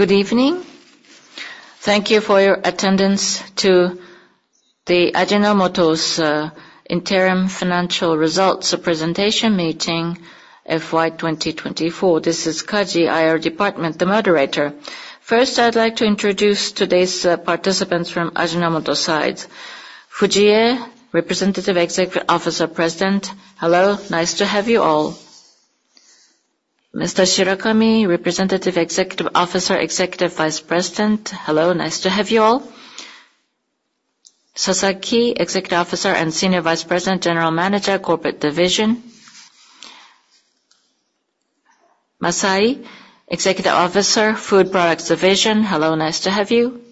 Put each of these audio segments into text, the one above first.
Good evening. Thank you for your attendance to the Ajinomoto's Interim Financial Results Presentation Meeting, FY 2024. This is Kaji, IR Department, the moderator. First, I'd like to introduce today's participants from Ajinomoto sides. Fujie, Representative Executive Officer, President, hello, nice to have you all. Mr. Shirakami, Representative Executive Officer, Executive Vice President, hello, nice to have you all. Sasaki, Executive Officer and Senior Vice President, General Manager, Corporate Division. Masai, Executive Officer, Food Products Division, hello, nice to have you.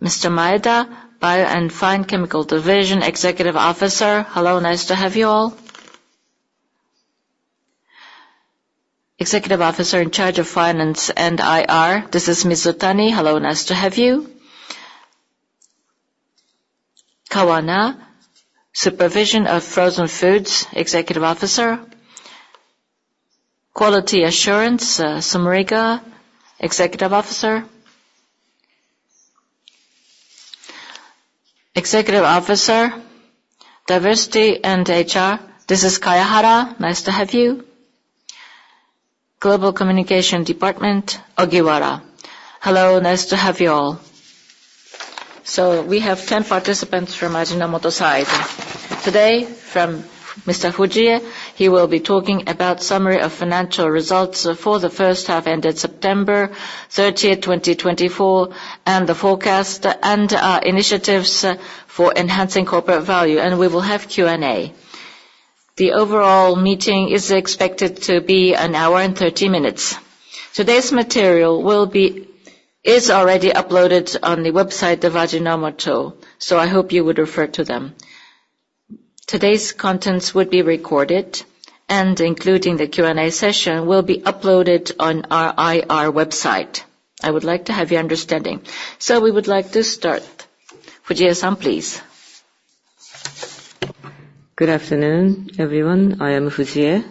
Mr. Maeda, Bio and Fine Chemical Division, Executive Officer, hello, nice to have you all. Executive Officer in charge of Finance and IR, this is Mizutani, hello, nice to have you. Kawana, Supervisor of Frozen Foods, Executive Officer. Quality Assurance, Sumeragi, Executive Officer. Executive Officer, Diversity and HR, this is Kayahara, nice to have you. Global Communication Department, Ogiwara, hello, nice to have you all. So we have 10 participants from Ajinomoto side. Today, from Mr. Fujie, he will be talking about the summary of financial results for the first half ended September 30th, 2024, and the forecast and initiatives for enhancing corporate value, and we will have Q&A. The overall meeting is expected to be an hour and 30 minutes. Today's material is already uploaded on the website of Ajinomoto, so I hope you would refer to them. Today's contents would be recorded, and including the Q&A session, will be uploaded on our IR website. I would like to have your understanding. So we would like to start. Fujie, please. Good afternoon, everyone. I am Fujie.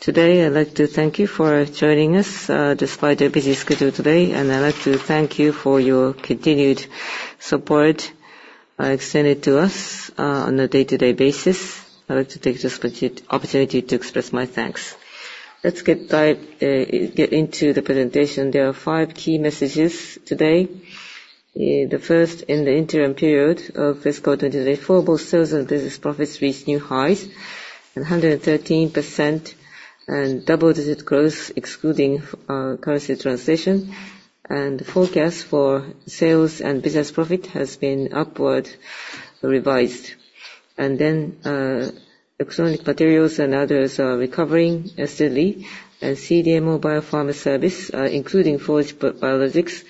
Today, I'd like to thank you for joining us despite the busy schedule today, and I'd like to thank you for your continued support extended to us on a day-to-day basis. I'd like to take this opportunity to express my thanks. Let's get into the presentation. There are five key messages today. The first, in the interim period of fiscal 2024, both sales and business profits reached new highs, 113%, and double-digit growth excluding currency translation, and the forecast for sales and business profit has been upward revised, and then functional materials and others are recovering steadily, and CDMO biopharmaceutical services, including Forge Biologics,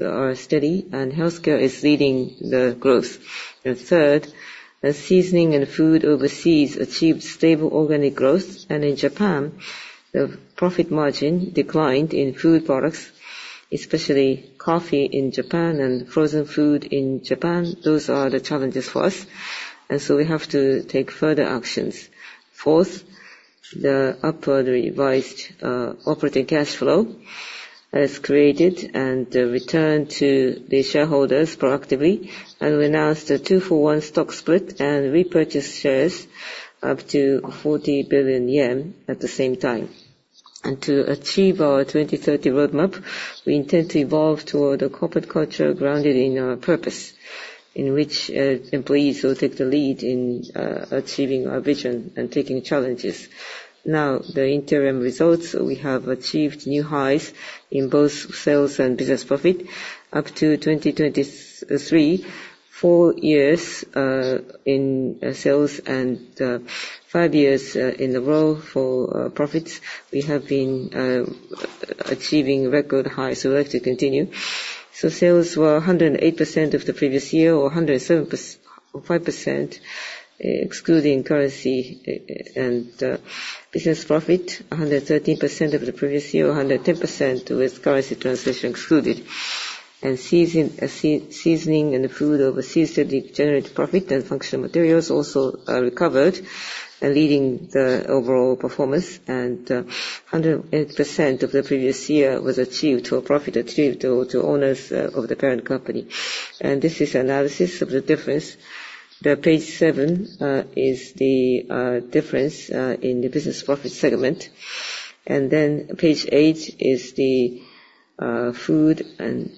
are steady, and healthcare is leading the growth, and third, seasoning and food overseas achieved stable organic growth, and in Japan, the profit margin declined in food products, especially coffee in Japan and frozen food in Japan. Those are the challenges for us, and so we have to take further actions. Fourth, the upward revised operating cash flow has created and returned to the shareholders proactively, and we announced a two-for-one stock split and repurchased shares up to 40 billion yen at the same time. And to achieve our 2030 roadmap, we intend to evolve toward a corporate culture grounded in our purpose, in which employees will take the lead in achieving our vision and taking challenges. Now, the interim results, we have achieved new highs in both sales and business profit up to 2023, four years in sales and five years in a row for profits. We have been achieving record highs, so we'd like to continue. So sales were 108% of the previous year, or 107.5%, excluding currency and business profit, 113% of the previous year, 110% with currency translation excluded. Seasonings and Foods Overseas generated profit and Functional Materials also recovered, leading the overall performance, and the profit attributable to owners of the parent company achieved 108% of the previous year. This is analysis of the difference. Page 7 is the difference in the business profit segment, and then page 8 is the Food and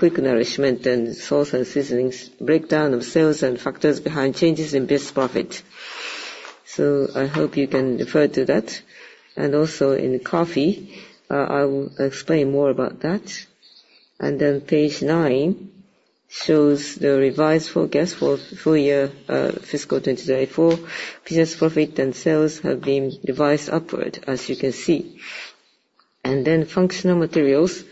Health & Nutrition and Sports and Seasonings breakdown of sales and factors behind changes in business profit. I hope you can refer to that. Also in coffee, I will explain more about that. Page 9 shows the revised forecast for full year fiscal 2024. Business profit and sales have been revised upward, as you can see. Functional Materials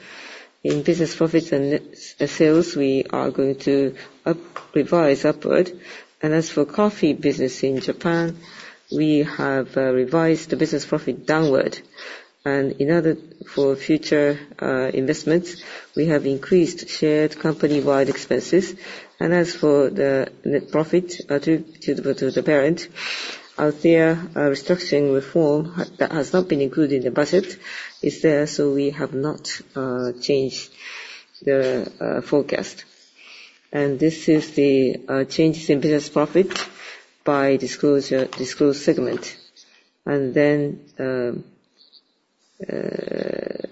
in business profits and sales, we are going to revise upward. As for coffee business in Japan, we have revised the business profit downward. In order for future investments, we have increased shared company-wide expenses. As for the net profit attributed to the parent, other than a restructuring reform that has not been included in the budget, there is one, so we have not changed the forecast. This is the changes in business profit by disclosed segment.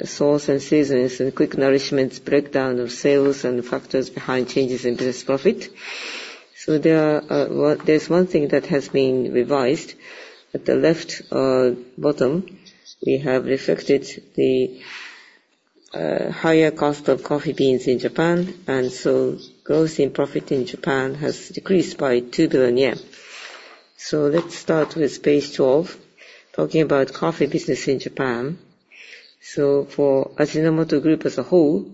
Sauces and seasonings and frozen foods breakdown of sales and factors behind changes in business profit. There is one thing that has been revised. At the left bottom, we have reflected the higher cost of coffee beans in Japan, and so growth in profit in Japan has decreased by 2 billion yen. Let's start with page 12, talking about coffee business in Japan. So for Ajinomoto Group as a whole,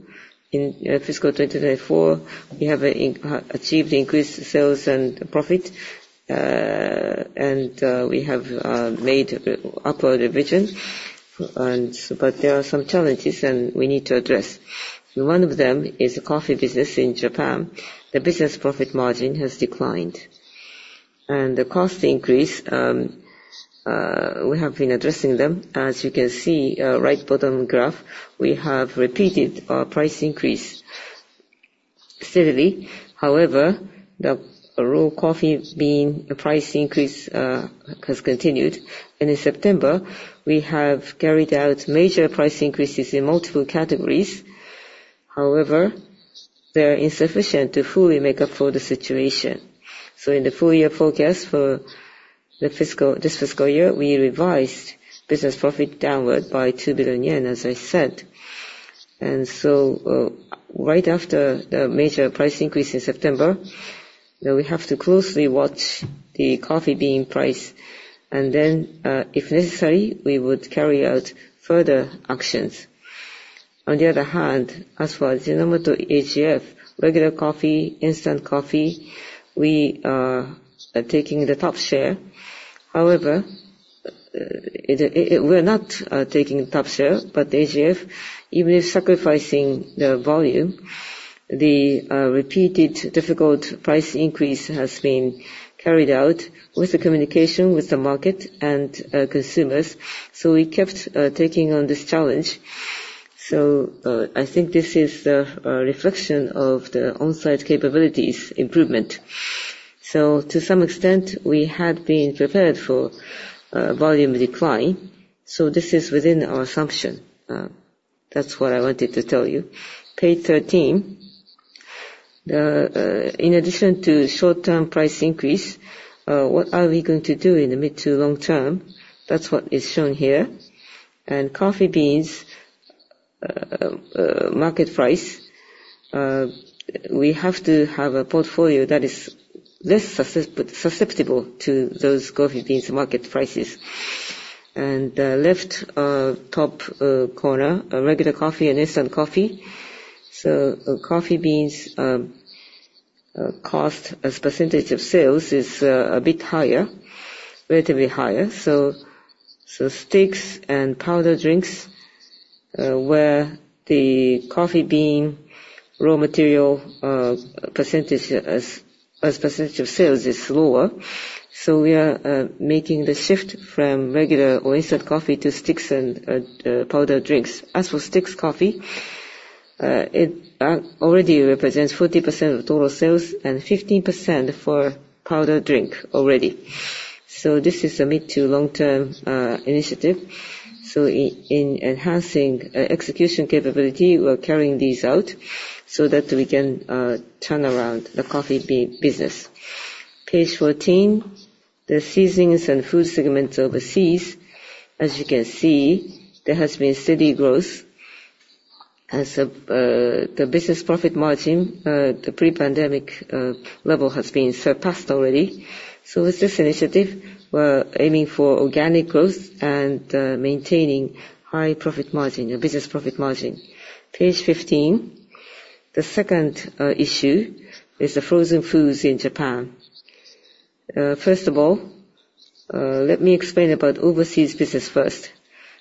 in fiscal 2024, we have achieved increased sales and profit, and we have made upward revision, but there are some challenges we need to address. One of them is the coffee business in Japan. The business profit margin has declined, and the cost increase, we have been addressing them. As you can see, right bottom graph, we have repeated our price increase steadily. However, the raw coffee bean price increase has continued, and in September, we have carried out major price increases in multiple categories. However, they are insufficient to fully make up for the situation. So in the full year forecast for this fiscal year, we revised business profit downward by 2 billion yen, as I said. Right after the major price increase in September, we have to closely watch the coffee bean price, and then if necessary, we would carry out further actions. On the other hand, as for Ajinomoto AGF, regular coffee, instant coffee, we are taking the top share. However, we're not taking the top share, but the AGF, even if sacrificing the volume, the repeated difficult price increase has been carried out with the communication with the market and consumers, so we kept taking on this challenge. I think this is the reflection of the onsite capabilities improvement. To some extent, we had been prepared for volume decline, so this is within our assumption. That's what I wanted to tell you. Page 13, in addition to short-term price increase, what are we going to do in the mid- to long-term? That's what is shown here. And coffee beans market price, we have to have a portfolio that is less susceptible to those coffee beans market prices. And left top corner, regular coffee and instant coffee. So coffee beans cost as percentage of sales is a bit higher, relatively higher. So sticks and powder drinks where the coffee bean raw material percentage as percentage of sales is lower. So we are making the shift from regular or instant coffee to sticks and powder drinks. As for sticks coffee, it already represents 40% of total sales and 15% for powder drink already. So this is a mid- to long-term initiative. So in enhancing execution capability, we're carrying these out so that we can turn around the coffee bean business. Page 14, the seasonings and food segments overseas, as you can see, there has been steady growth as the business profit margin, the pre-pandemic level has been surpassed already. So with this initiative, we're aiming for organic growth and maintaining high profit margin, business profit margin. Page 15, the second issue is the frozen foods in Japan. First of all, let me explain about overseas business first.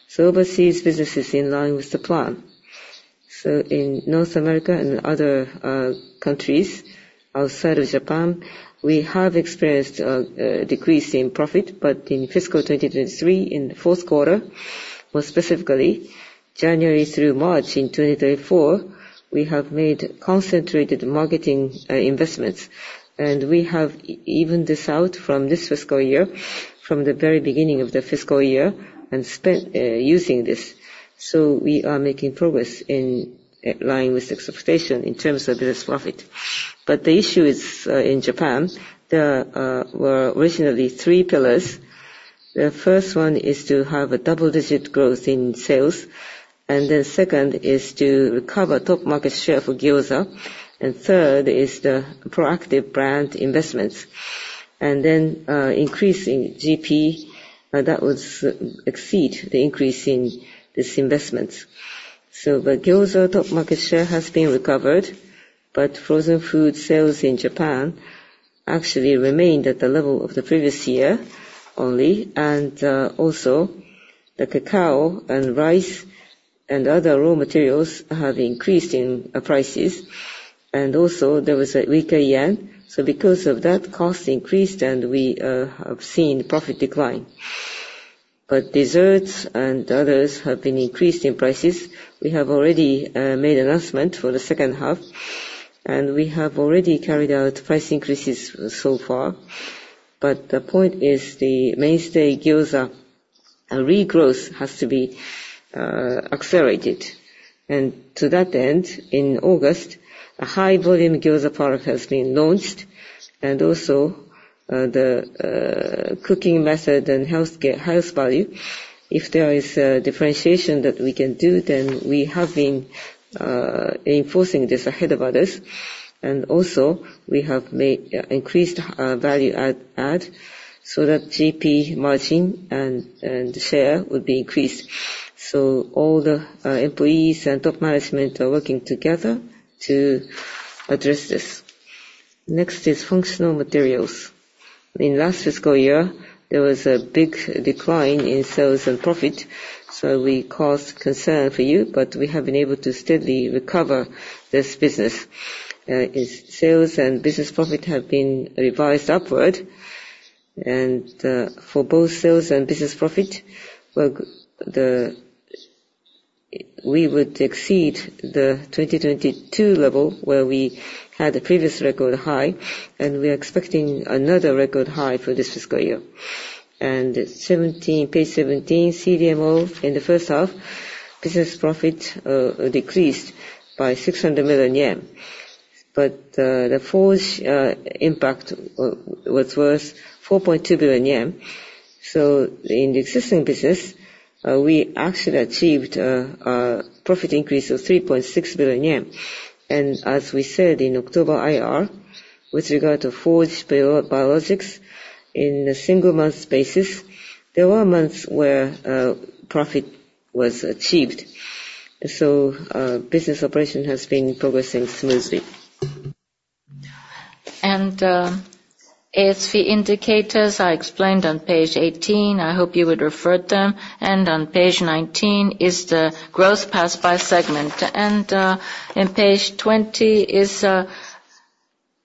So overseas business is in line with the plan. So in North America and other countries outside of Japan, we have experienced a decrease in profit, but in fiscal 2023, in the fourth quarter, more specifically, January through March in 2024, we have made concentrated marketing investments, and we have evened this out from this fiscal year, from the very beginning of the fiscal year, and spent using this. So we are making progress in line with expectation in terms of business profit. But the issue is in Japan. There were originally three pillars. The first one is to have a double-digit growth in sales, and then second is to recover top market share for Gyoza, and third is the proactive brand investments, and then increasing GP that would exceed the increase in these investments. So the Gyoza top market share has been recovered, but frozen food sales in Japan actually remained at the level of the previous year only, and also the cacao and rice and other raw materials have increased in prices, and also there was a weaker yen. So because of that, cost increased, and we have seen profit decline. But desserts and others have been increased in prices. We have already made an announcement for the second half, and we have already carried out price increases so far. The point is the mainstay Gyoza regrowth has to be accelerated. To that end, in August, a high-volume Gyoza product has been launched, and also the cooking method and health value, if there is a differentiation that we can do, then we have been enforcing this ahead of others, and also we have made increased value add so that GP margin and share would be increased. All the employees and top management are working together to address this. Next is functional materials. In last fiscal year, there was a big decline in sales and profit, so we caused concern for you, but we have been able to steadily recover this business. Sales and business profit have been revised upward, and for both sales and business profit, we would exceed the 2022 level where we had a previous record high, and we are expecting another record high for this fiscal year. Page 17, CDMO in the first half, business profit decreased by 600 million yen, but the Forge impact was worth 4.2 billion yen. In the existing business, we actually achieved a profit increase of 3.6 billion yen. As we said in October IR, with regard to Forge Biologics, on a single-month basis, there were months where profit was achieved. Business operation has been progressing smoothly. ASV indicators I explained on page 18. I hope you would refer to them. Page 19 is the growth path by segment. Page 20 is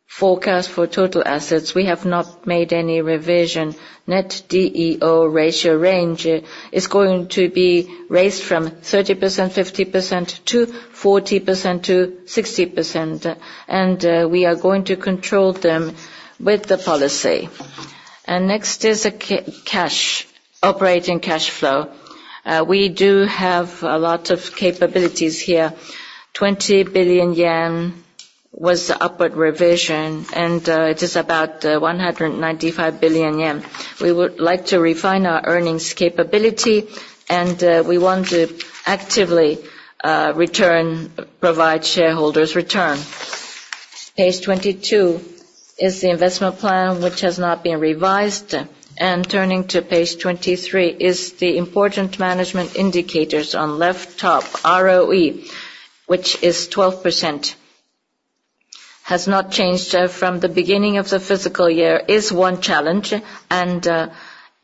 forecast for total assets. We have not made any revision. Net D/E ratio range is going to be raised from 30%-50% to 40%-60%, and we are going to control them with the policy. Next is cash operating cash flow. We do have a lot of capabilities here. 20 billion yen was the upward revision, and it is about 195 billion yen. We would like to refine our earnings capability, and we want to actively provide shareholders' return. Page 22 is the investment plan, which has not been revised. Turning to page 23 is the important management indicators on left top, ROE, which is 12%. It has not changed from the beginning of the fiscal year, is one challenge, and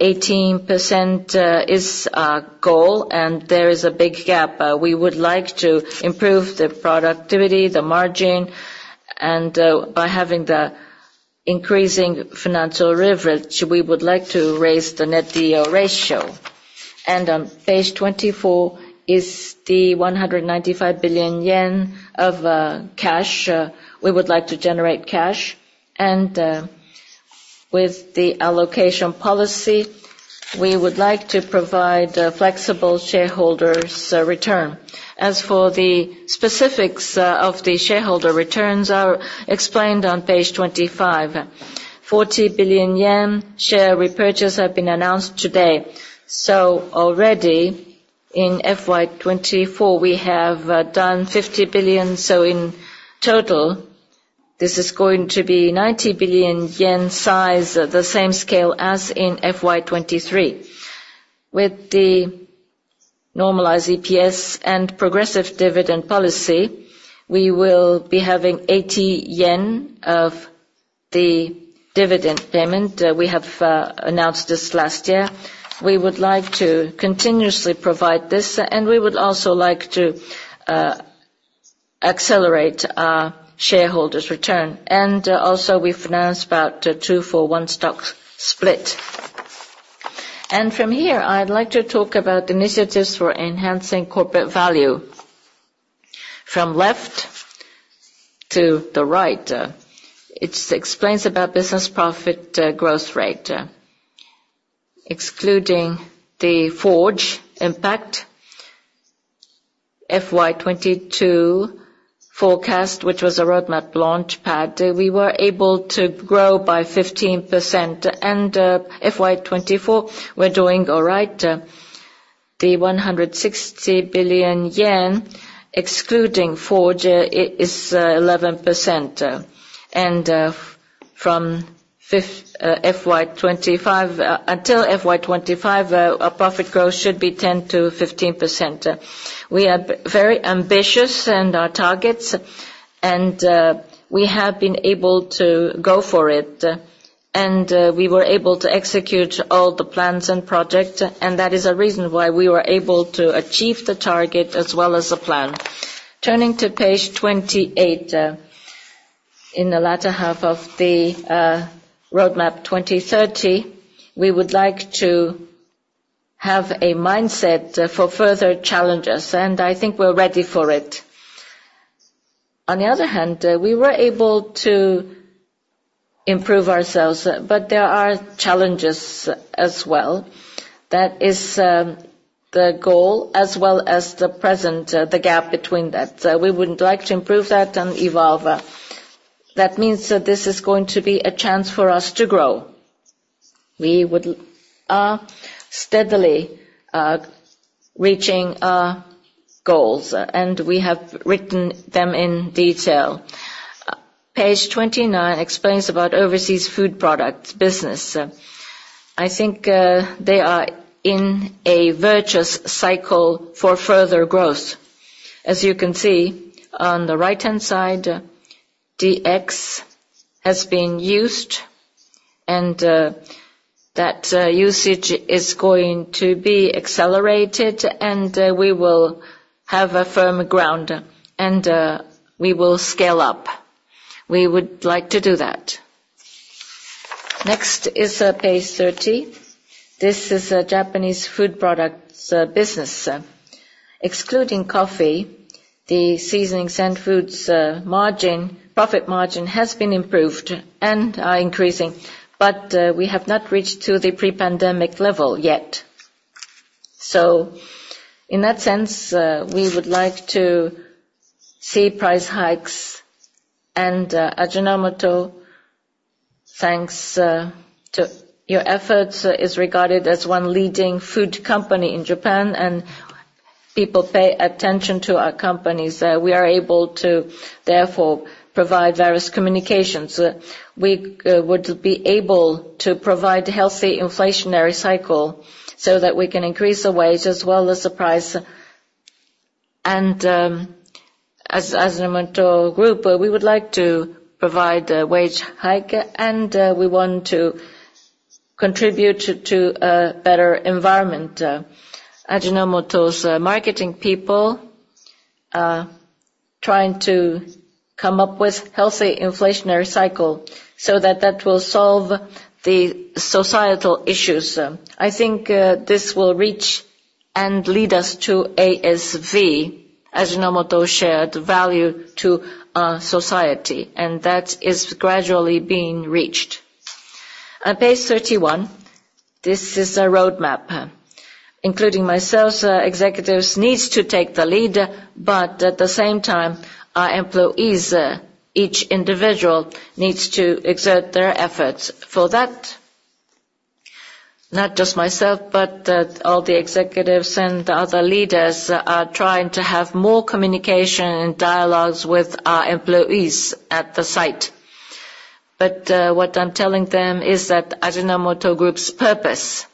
18% is a goal, and there is a big gap. We would like to improve the productivity, the margin, and by having the increasing financial leverage, we would like to raise the Net D/E ratio. On page 24 is the 195 billion yen of cash. We would like to generate cash, and with the allocation policy, we would like to provide flexible shareholders' return. As for the specifics of the shareholder returns, I'll explain on page 25. 40 billion yen share repurchase has been announced today. Already in FY 2024, we have done 50 billion. In total, this is going to be 90 billion yen size, the same scale as in FY 2023. With the normalized EPS and progressive dividend policy, we will be having 80 yen of the dividend payment. We have announced this last year. We would like to continuously provide this, and we would also like to accelerate our shareholders' return. Also, we've announced about a 2-for-1 stock split. From here, I'd like to talk about initiatives for enhancing corporate value. From left to the right, it explains about business profit growth rate, excluding the Forge impact. FY 2022 forecast, which was a roadmap launch pad, we were able to grow by 15%. FY 2024, we're doing all right. The 160 billion yen, excluding Forge, is 11%. From FY 2025 until FY 2025, our profit growth should be 10%-15%. We are very ambitious in our targets, and we have been able to go for it, and we were able to execute all the plans and projects, and that is a reason why we were able to achieve the target as well as the plan. Turning to page 28, in the latter half of the roadmap 2030, we would like to have a mindset for further challenges, and I think we're ready for it. On the other hand, we were able to improve ourselves, but there are challenges as well. That is the goal, as well as the present, the gap between that. We would like to improve that and evolve. That means that this is going to be a chance for us to grow. We are steadily reaching our goals, and we have written them in detail. Page 29 explains about overseas food products business. I think they are in a virtuous cycle for further growth. As you can see on the right-hand side, DX has been used, and that usage is going to be accelerated, and we will have a firm ground, and we will scale up. We would like to do that. Next is page 30. This is a Japanese food products business. Excluding coffee, the seasonings and foods profit margin has been improved and increasing, but we have not reached the pre-pandemic level yet. In that sense, we would like to see price hikes, and Ajinomoto, thanks to your efforts, is regarded as one leading food company in Japan, and people pay attention to our companies. We are able to, therefore, provide various communications. We would be able to provide a healthy inflationary cycle so that we can increase the wage as well as the price. As Ajinomoto Group, we would like to provide a wage hike, and we want to contribute to a better environment. Ajinomoto's marketing people are trying to come up with a healthy inflationary cycle so that that will solve the societal issues. I think this will reach and lead us to ASV, Ajinomoto Shared Value to society, and that is gradually being reached. On page 31, this is a roadmap. Including myself, executives need to take the lead, but at the same time, our employees, each individual, needs to exert their efforts for that. Not just myself, but all the executives and other leaders are trying to have more communication and dialogues with our employees at the site. But what I'm telling them is that Ajinomoto Group's purpose, Amino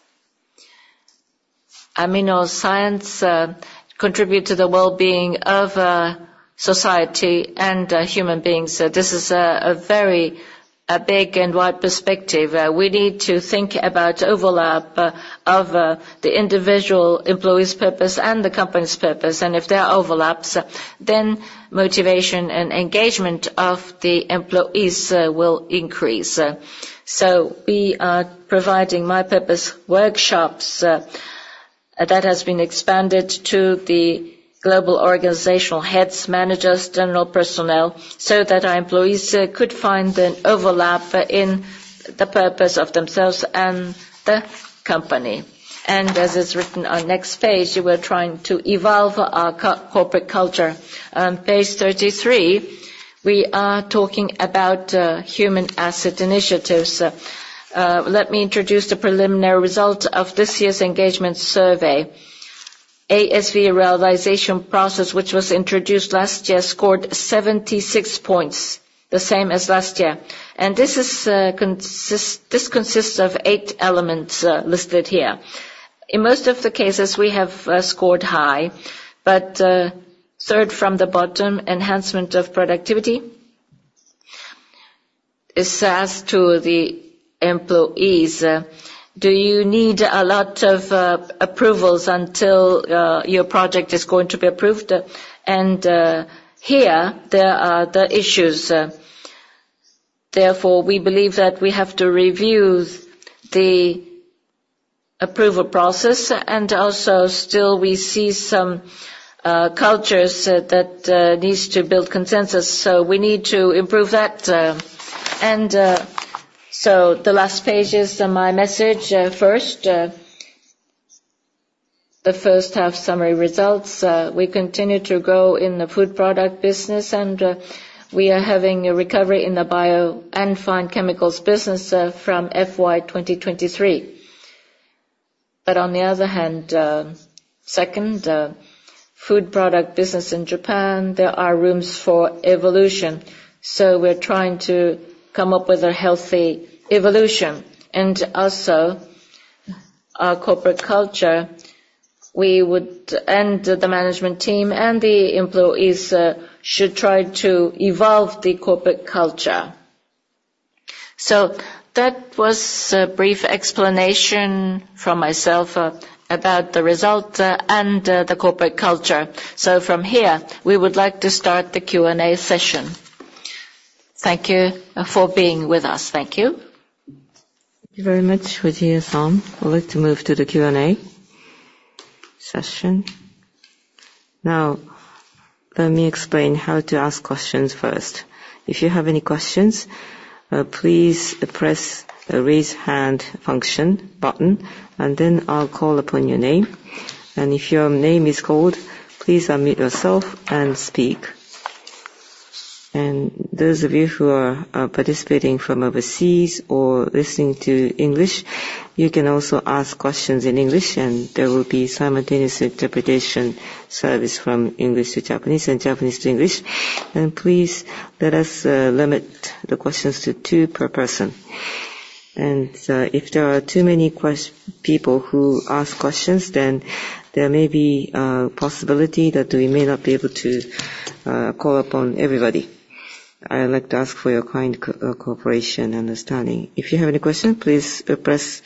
Science, contributes to the well-being of society and human beings. This is a very big and wide perspective. We need to think about the overlap of the individual employees' purpose and the company's purpose, and if there are overlaps, then motivation and engagement of the employees will increase. So we are providing My Purpose workshops that have been expanded to the global organizational heads, managers, general personnel, so that our employees could find an overlap in the purpose of themselves and the company. As it's written on the next page, we're trying to evolve our corporate culture. On page 33, we are talking about human asset initiatives. Let me introduce the preliminary result of this year's engagement survey. ASV realization process, which was introduced last year, scored 76 points, the same as last year. This consists of eight elements listed here. In most of the cases, we have scored high, but third from the bottom, enhancement of productivity is asked to the employees. Do you need a lot of approvals until your project is going to be approved? Here, there are the issues. Therefore, we believe that we have to review the approval process, and also still, we see some cultures that need to build consensus, so we need to improve that. The last page is my message first. The first half summary results. We continue to grow in the food product business, and we are having a recovery in the bio and fine chemicals business from FY 2023. But on the other hand, second, food product business in Japan, there are rooms for evolution. So we're trying to come up with a healthy evolution. And also, our corporate culture, we would, and the management team and the employees should try to evolve the corporate culture. So that was a brief explanation from myself about the result and the corporate culture. So from here, we would like to start the Q&A session. Thank you for being with us. Thank you. Thank you very much, Fujie-san. I'd like to move to the Q&A session. Now, let me explain how to ask questions first. If you have any questions, please press the raise hand function button, and then I'll call upon your name. And if your name is called, please unmute yourself and speak. And those of you who are participating from overseas or listening to English, you can also ask questions in English, and there will be simultaneous interpretation service from English to Japanese and Japanese to English. And please let us limit the questions to two per person. And if there are too many people who ask questions, then there may be a possibility that we may not be able to call upon everybody. I'd like to ask for your kind cooperation and understanding. If you have any questions, please press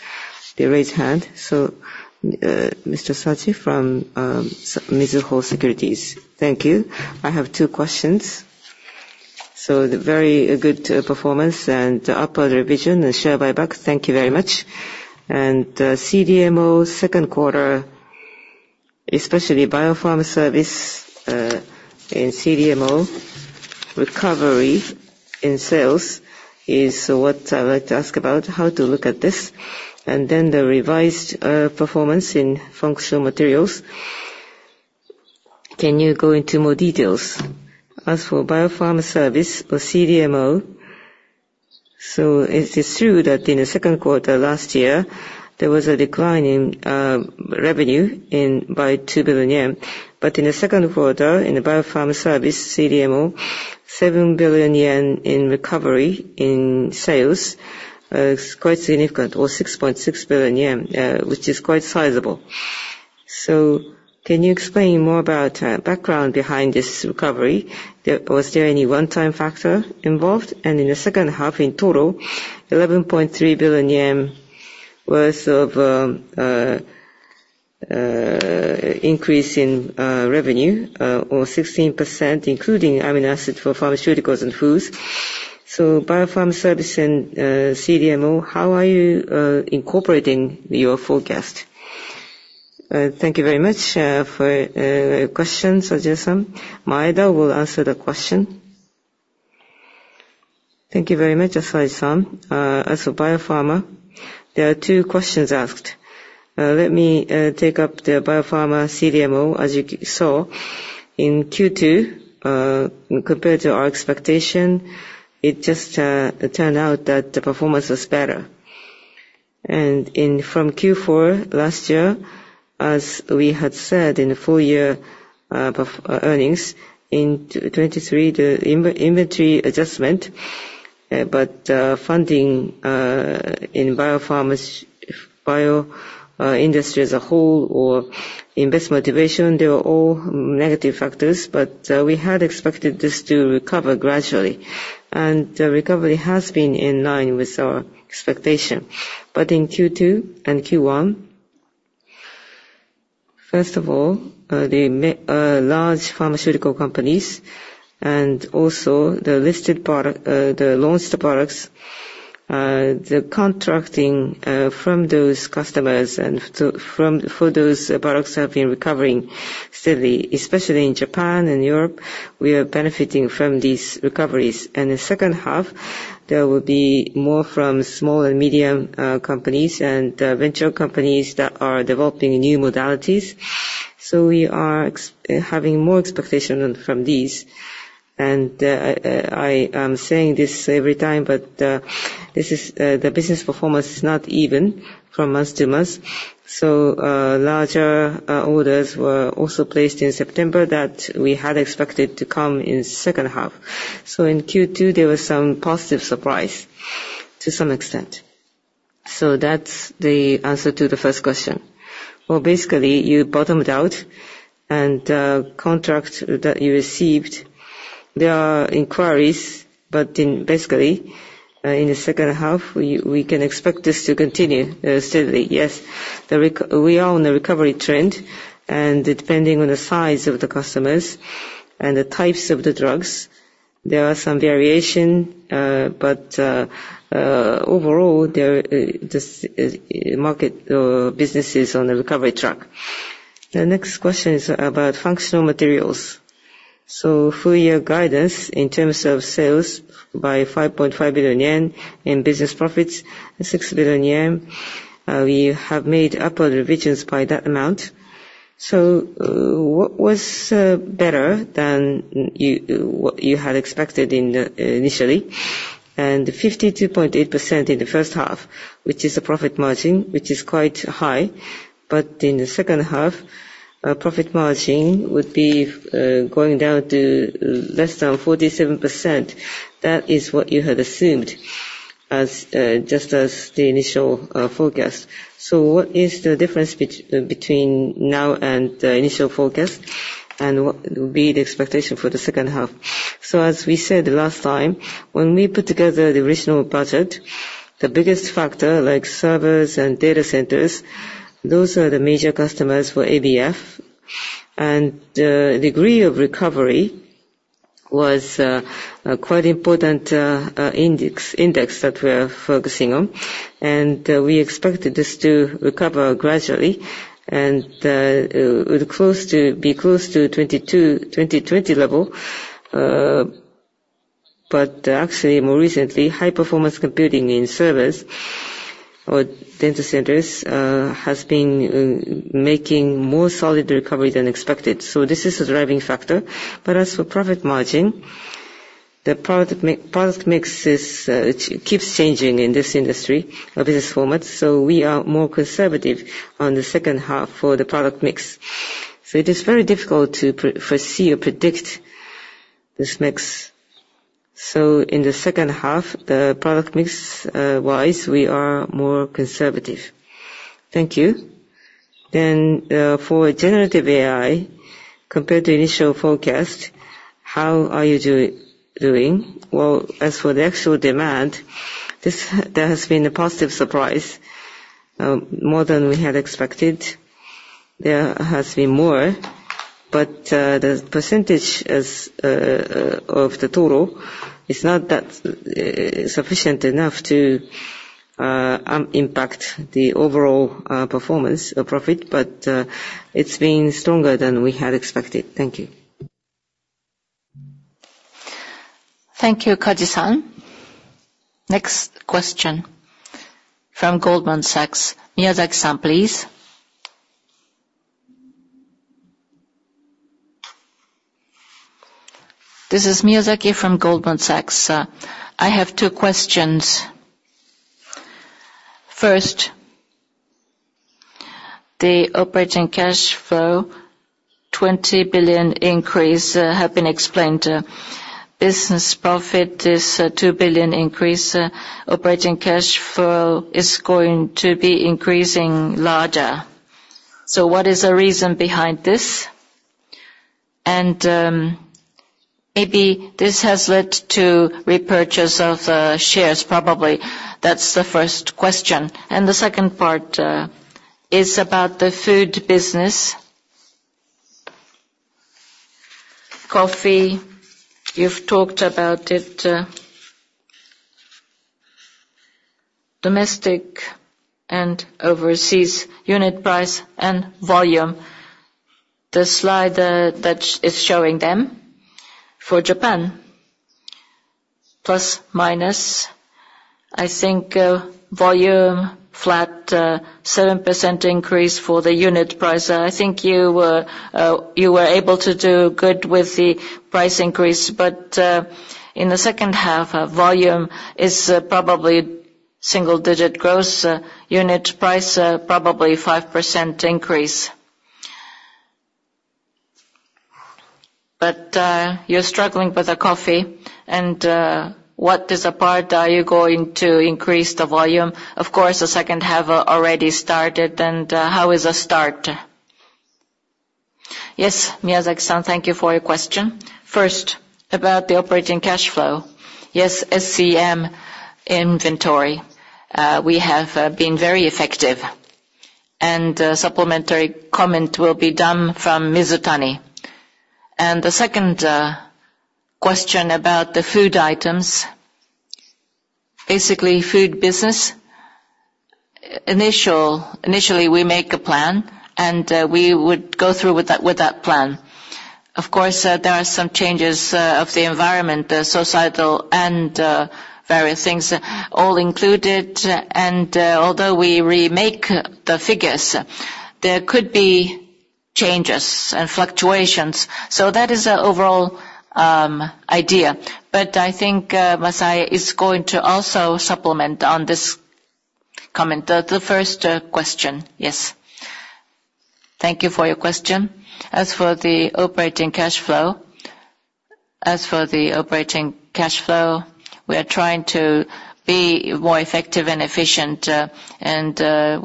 the raise hand. So Mr. Saji from Mizuho Securities, Thank you. I have two questions. So very good performance and upward revision and share buyback. Thank you very much. And CDMO second quarter, especially Bio-Pharma Services in CDMO recovery in sales is what I'd like to ask about, how to look at this. And then the revised performance in Functional Materials. Can you go into more details? As for Bio-Pharma Services or CDMO, so it is true that in the second quarter last year, there was a decline in revenue by 2 billion yen, but in the second quarter in the Bio-Pharma Services CDMO, 7 billion yen in recovery in sales is quite significant, or 6.6 billion yen, which is quite sizable. So can you explain more about the background behind this recovery? Was there any one-time factor involved? And in the second half, in total, 11.3 billion yen worth of increase in revenue, or 16%, including amino acids for pharmaceuticals and foods. So Bio-Pharma Services and CDMO, how are you incorporating your forecast? Thank you very much for your questions, Ajinomoto. Maeda will answer the question. Thank you very much, Asahi-san. As for biopharma, there are two questions asked. Let me take up the biopharma CDMO, as you saw. In Q2, compared to our expectation, it just turned out that the performance was better. And from Q4 last year, as we had said in the full-year earnings, in 2023, the inventory adjustment, but funding in biopharma industry as a whole or investment momentum, they were all negative factors, but we had expected this to recover gradually. And the recovery has been in line with our expectation. But in Q2 and Q1, first of all, the large pharmaceutical companies and also the launched products, the contracting from those customers and for those products have been recovering steadily, especially in Japan and Europe. We are benefiting from these recoveries. In the second half, there will be more from small and medium companies and venture companies that are developing new modalities. We are having more expectations from these. I am saying this every time, but the business performance is not even from month to month. Larger orders were also placed in September that we had expected to come in the second half. In Q2, there was some positive surprise to some extent. That's the answer to the first question. Basically, you bottomed out, and the contract that you received, there are inquiries, but basically, in the second half, we can expect this to continue steadily. Yes, we are on the recovery trend, and depending on the size of the customers and the types of the drugs, there are some variations, but overall, the market business is on the recovery track. The next question is about functional materials. So full-year guidance in terms of sales by 5.5 billion yen in business profits, 6 billion yen. We have made upward revisions by that amount. So what was better than what you had expected initially? And 52.8% in the first half, which is the profit margin, which is quite high, but in the second half, profit margin would be going down to less than 47%. That is what you had assumed, just as the initial forecast. So what is the difference between now and the initial forecast, and what will be the expectation for the second half? So as we said last time, when we put together the original budget, the biggest factor, like servers and data centers, those are the major customers for ABF. And the degree of recovery was quite an important index that we are focusing on. We expected this to recover gradually and be close to 2020 level. Actually, more recently, high-performance computing in servers or data centers has been making more solid recovery than expected. This is a driving factor. As for profit margin, the product mix keeps changing in this industry of business format. We are more conservative on the second half for the product mix. It is very difficult to foresee or predict this mix. In the second half, the product mix-wise, we are more conservative. Thank you. For generative AI, compared to initial forecast, how are you doing? As for the actual demand, there has been a positive surprise, more than we had expected. There has been more, but the percentage of the total is not sufficient enough to impact the overall performance or profit, but it's been stronger than we had expected. Thank you. Thank you, Kaji-san. Next question from Goldman Sachs. Miyazaki-san, please. This is Miyazaki from Goldman Sachs. I have two questions. First, the operating cash flow, 20 billion increase, have been explained. Business profit is a 2 billion increase. Operating cash flow is going to be increasing larger. So what is the reason behind this? And maybe this has led to repurchase of shares, probably. That's the first question. And the second part is about the food business. Coffee, you've talked about it. Domestic and overseas unit price and volume. The slide that is showing them for Japan, plus minus, I think volume flat, 7% increase for the unit price. I think you were able to do good with the price increase, but in the second half, volume is probably single-digit growth. Unit price, probably 5% increase. But you're struggling with the coffee, and what is the part that you're going to increase the volume? Of course, the second half already started, and how is the start? Yes, Miyazaki-san, thank you for your question. First, about the operating cash flow. Yes, SCM inventory. We have been very effective. And supplementary comment will be done from Mizutani. And the second question about the food items. Basically, food business. Initially, we make a plan, and we would go through with that plan. Of course, there are some changes of the environment, societal, and various things all included. And although we remake the figures, there could be changes and fluctuations. So that is the overall idea. But I think Masai is going to also supplement on this comment. The first question, yes. Thank you for your question. As for the operating cash flow, we are trying to be more effective and efficient, and at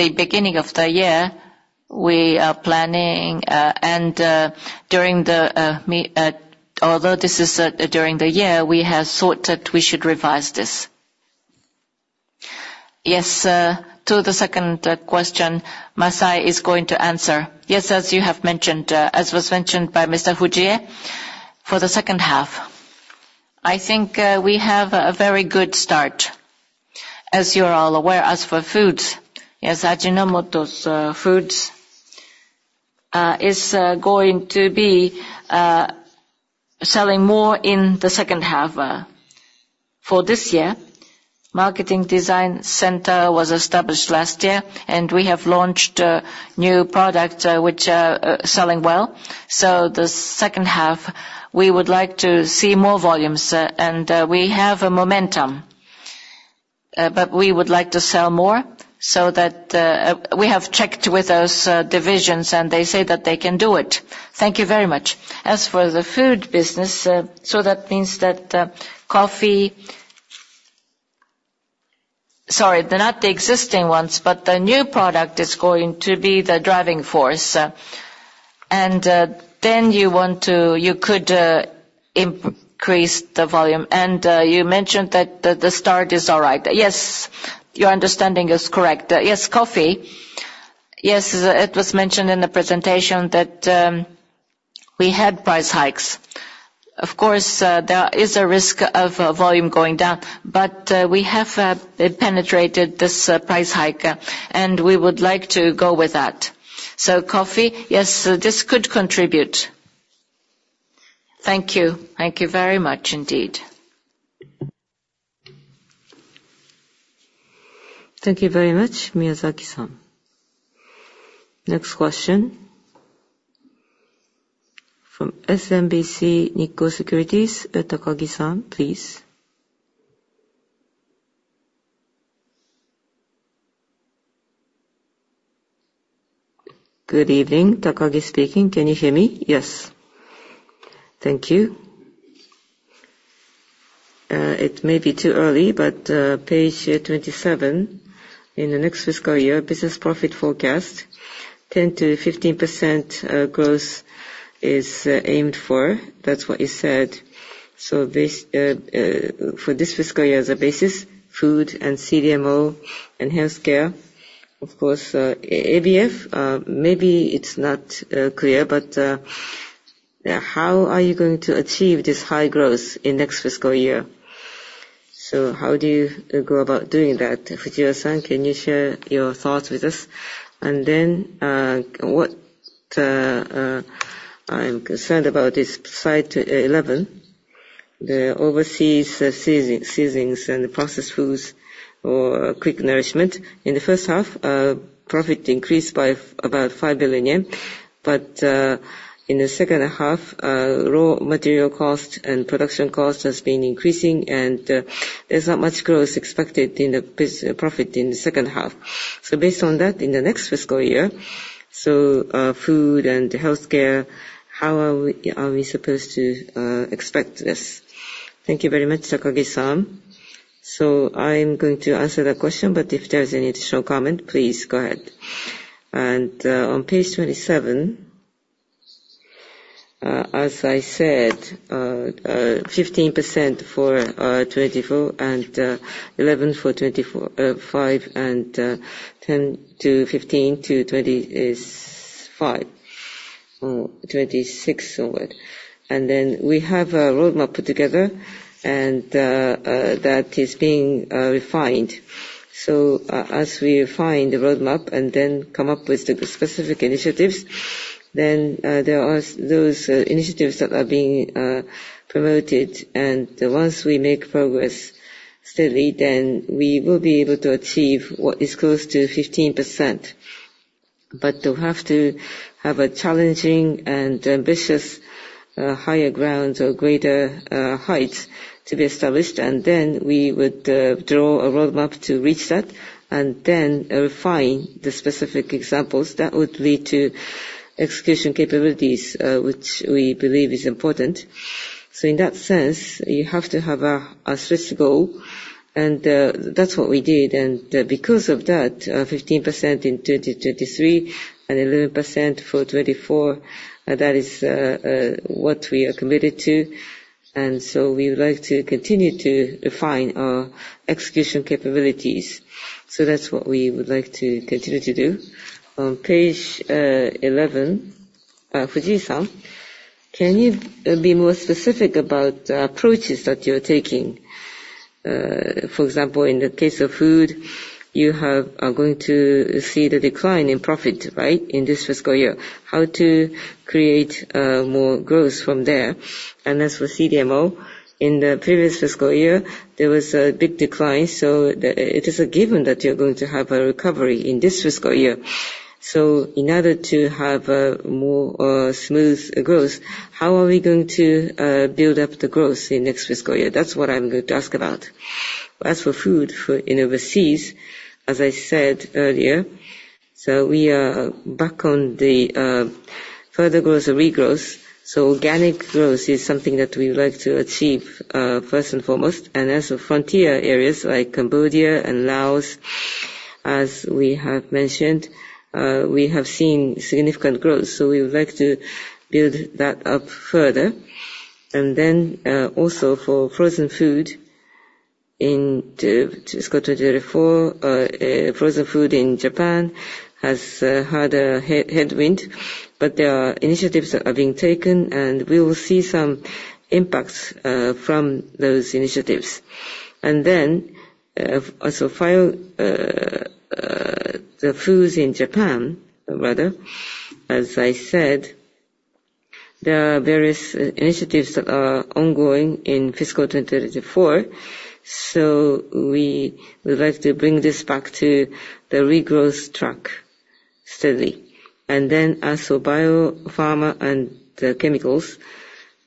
the beginning of the year, we are planning, and although this is during the year, we have thought that we should revise this. Yes, to the second question, Masai is going to answer. Yes, as you have mentioned, as was mentioned by Mr. Fujie, for the second half. I think we have a very good start. As you're all aware, as for foods, yes, Ajinomoto's foods is going to be selling more in the second half for this year. Marketing Design Center was established last year, and we have launched new products which are selling well. So the second half, we would like to see more volumes, and we have a momentum, but we would like to sell more so that we have checked with those divisions, and they say that they can do it. Thank you very much. As for the food business, so that means that coffee, sorry, they're not the existing ones, but the new product is going to be the driving force. And then you could increase the volume. And you mentioned that the start is all right. Yes, your understanding is correct. Yes, coffee. Yes, it was mentioned in the presentation that we had price hikes. Of course, there is a risk of volume going down, but we have penetrated this price hike, and we would like to go with that. So coffee, yes, this could contribute. Thank you. Thank you very much indeed. Thank you very much, Miyazaki-san. Next question. From SMBC Nikko Securities, Takagi-san, please. Good evening, Takagi speaking. Can you hear me? Yes. Thank you. It may be too early, but page 27, in the next fiscal year, business profit forecast, 10%-15% growth is aimed for. That's what you said. So for this fiscal year as a basis, food and CDMO and healthcare. Of course, AGF, maybe it's not clear, but how are you going to achieve this high growth in next fiscal year? So how do you go about doing that? Fujie-san, can you share your thoughts with us? And then what I'm concerned about is slide 11, the overseas seasonings and processed foods or frozen foods. In the first half, profit increased by about 5 billion yen. But in the second half, raw material cost and production cost has been increasing, and there's not much growth expected in the profit in the second half. So, based on that, in the next fiscal year, so food and healthcare, how are we supposed to expect this? Thank you very much, Takagi-san. So, I'm going to answer that question, but if there's any additional comment, please go ahead. And on page 27, as I said, 15% for 2024 and 11% for 2025 and 10%-15%-25% or 26% or what. And then we have a roadmap put together, and that is being refined. So as we refine the roadmap and then come up with the specific initiatives, then there are those initiatives that are being promoted. And once we make progress steadily, then we will be able to achieve what is close to 15%. But we have to have a challenging and ambitious higher ground or greater heights to be established. And then we would draw a roadmap to reach that and then refine the specific examples that would lead to execution capabilities, which we believe is important. So in that sense, you have to have a strict goal, and that's what we did. And because of that, 15% in 2023 and 11% for 2024, that is what we are committed to. And so we would like to continue to refine our execution capabilities. So that's what we would like to continue to do. On page 11, Fujii-san, can you be more specific about the approaches that you're taking? For example, in the case of food, you are going to see the decline in profit, right, in this fiscal year. How to create more growth from there? And as for CDMO, in the previous fiscal year, there was a big decline. It is a given that you're going to have a recovery in this fiscal year. In order to have more smooth growth, how are we going to build up the growth in next fiscal year? That's what I'm going to ask about. As for food in overseas, as I said earlier, we are back on the further growth or regrowth. Organic growth is something that we would like to achieve first and foremost. As for frontier areas like Cambodia and Laos, as we have mentioned, we have seen significant growth. We would like to build that up further. Then also for frozen food in fiscal 2024, frozen food in Japan has had a headwind, but there are initiatives that are being taken, and we will see some impacts from those initiatives. And then as for foods in Japan, rather, as I said, there are various initiatives that are ongoing in fiscal 2024. So we would like to bring this back to the regrowth track steadily. And then as for biopharma and the chemicals,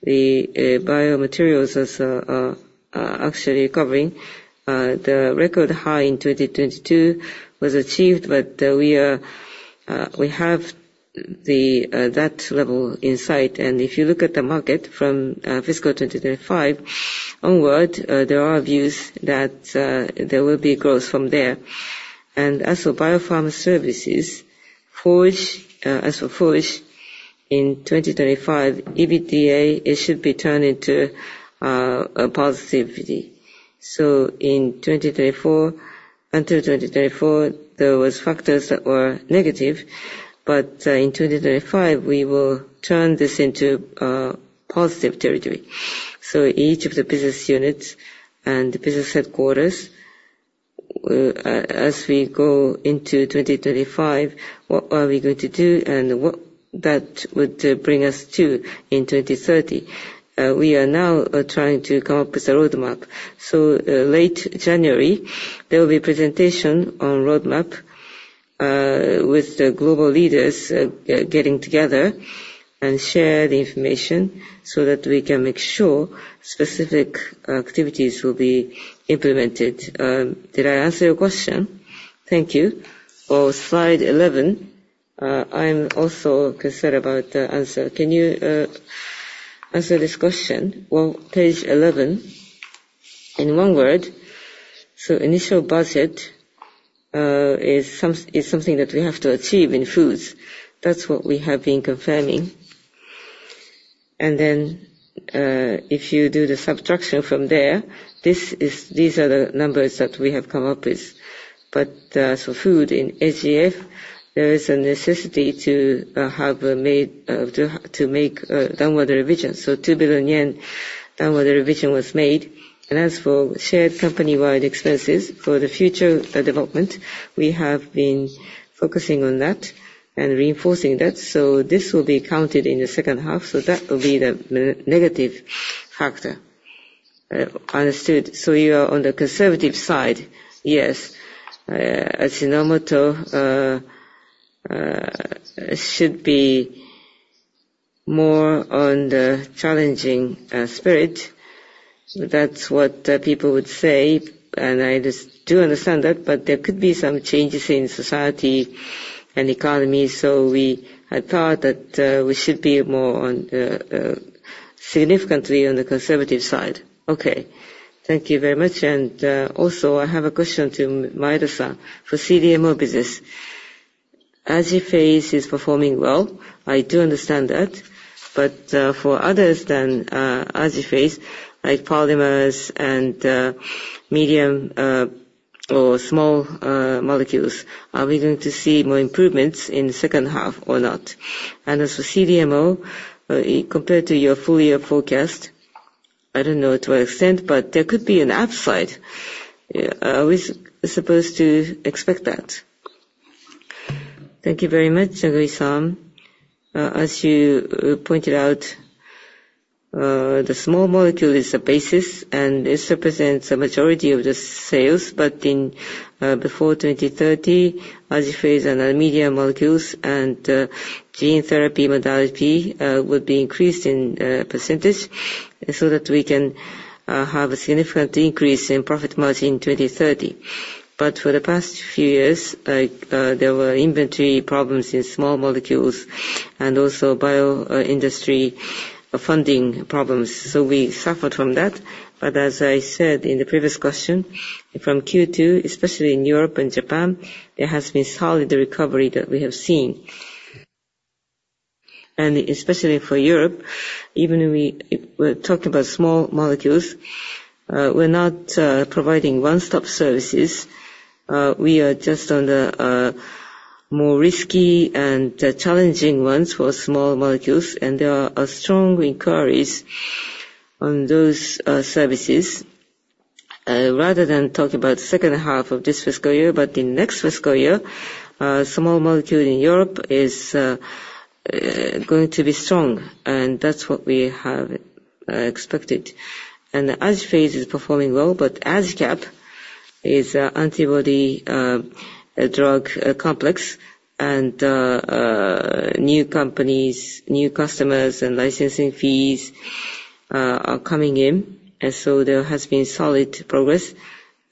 the biomaterials are actually recovering. The record high in 2022 was achieved, but we have that level in sight. And if you look at the market from fiscal 2025 onward, there are views that there will be growth from there. And as for biopharma services, as for food in 2025, EBITDA, it should be turned into a positivity. So in 2024, until 2024, there were factors that were negative, but in 2025, we will turn this into positive territory. Each of the business units and the business headquarters, as we go into 2025, what are we going to do and what that would bring us to in 2030? We are now trying to come up with a roadmap. Late January, there will be a presentation on roadmap with the global leaders getting together and share the information so that we can make sure specific activities will be implemented. Did I answer your question? Thank you. Or slide 11, I'm also concerned about the answer. Can you answer this question? Page 11, in one word, initial budget is something that we have to achieve in foods. That's what we have been confirming. And then if you do the subtraction from there, these are the numbers that we have come up with. For food in AGF, there is a necessity to have to make downward revision. So 2 billion yen downward revision was made. As for shared company-wide expenses for the future development, we have been focusing on that and reinforcing that. So this will be counted in the second half. So that will be the negative factor. Understood, so you are on the conservative side. Yes, Ajinomoto should be more on the challenging spirit. That's what people would say, and I do understand that, but there could be some changes in society and economy. So we had thought that we should be more significantly on the conservative side. Okay. Thank you very much, and also, I have a question to Maeda-san. For CDMO business, AJIPHASE is performing well. I do understand that. But for others than AJIPHASE, like polymers and medium or small molecules, are we going to see more improvements in the second half or not? And as for CDMO, compared to your full year forecast, I don't know to what extent, but there could be an upside. Are we supposed to expect that? Thank you very much, Kaji-san. As you pointed out, the small molecule is the basis, and this represents a majority of the sales. But before 2030, AJIPHASE and our medium molecules and gene therapy modality would be increased in percentage so that we can have a significant increase in profit margin in 2030. But for the past few years, there were inventory problems in small molecules and also bioindustry funding problems. So we suffered from that. But as I said in the previous question, from Q2, especially in Europe and Japan, there has been solid recovery that we have seen. And especially for Europe, even when we were talking about small molecules, we're not providing one-stop services. We are just on the more risky and challenging ones for small molecules, and there are strong inquiries on those services. Rather than talk about the second half of this fiscal year, but in next fiscal year, small molecule in Europe is going to be strong, and that's what we have expected. And AJIPHASE is performing well, but AJICAP is an antibody drug conjugate, and new companies, new customers, and licensing fees are coming in. And so there has been solid progress.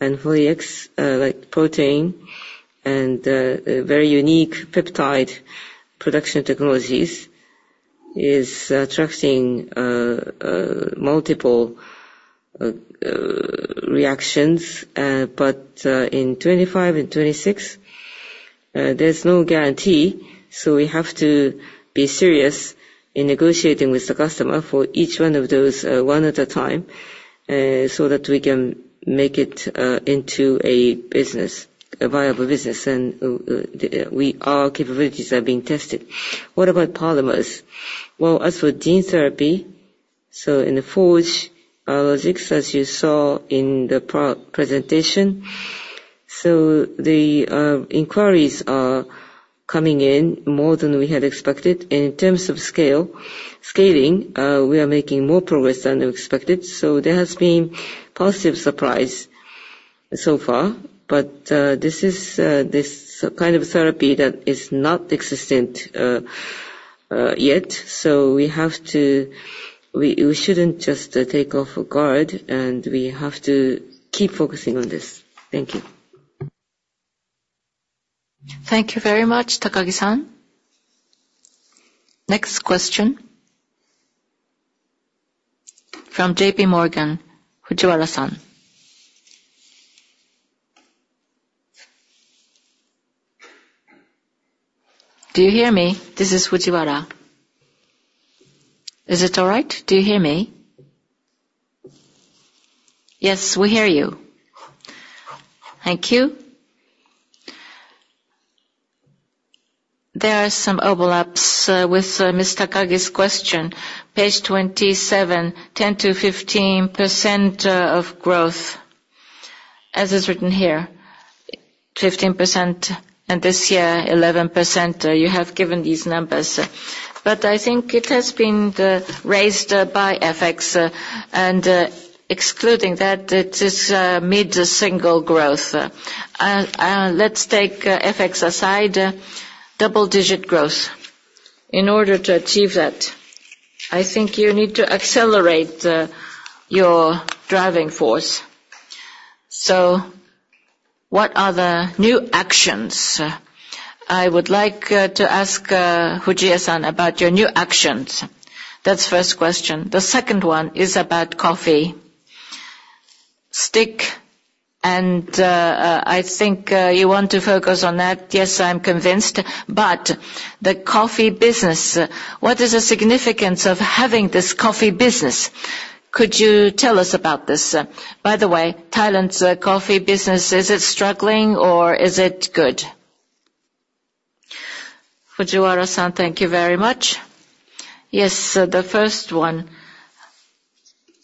And CORYNEX, like protein and very unique peptide production technologies, is attracting multiple reactions. But in 2025 and 2026, there's no guarantee. So we have to be serious in negotiating with the customer for each one of those one at a time so that we can make it into a business, a viable business, and our capabilities are being tested. What about polymers? Well, as for gene therapy, so in the Forge Biologics, as you saw in the presentation, so the inquiries are coming in more than we had expected. And in terms of scaling, we are making more progress than we expected. So there has been positive surprise so far, but this is the kind of therapy that is not existent yet. So we have to, we shouldn't just take off guard, and we have to keep focusing on this. Thank you. Thank you very much, Takagi-san. Next question. From JP Morgan, Fujiwara-san. Do you hear me? This is Fujiwara. Is it all right? Do you hear me? Yes, we hear you. Thank you. There are some overlaps with Ms. Takagi's question. Page 27, 10%-15% of growth, as is written here. 15% and this year, 11%. You have given these numbers. But I think it has been raised by FX. And excluding that, it is mid-single growth. Let's take FX aside, double-digit growth. In order to achieve that, I think you need to accelerate your driving force. So what are the new actions? I would like to ask Fujie-san about your new actions. That's the first question. The second one is about coffee. Stick, and I think you want to focus on that. Yes, I'm convinced. But the coffee business, what is the significance of having this coffee business? Could you tell us about this? By the way, Thailand's coffee business, is it struggling or is it good? Fujiwara-san, thank you very much. Yes, the first one,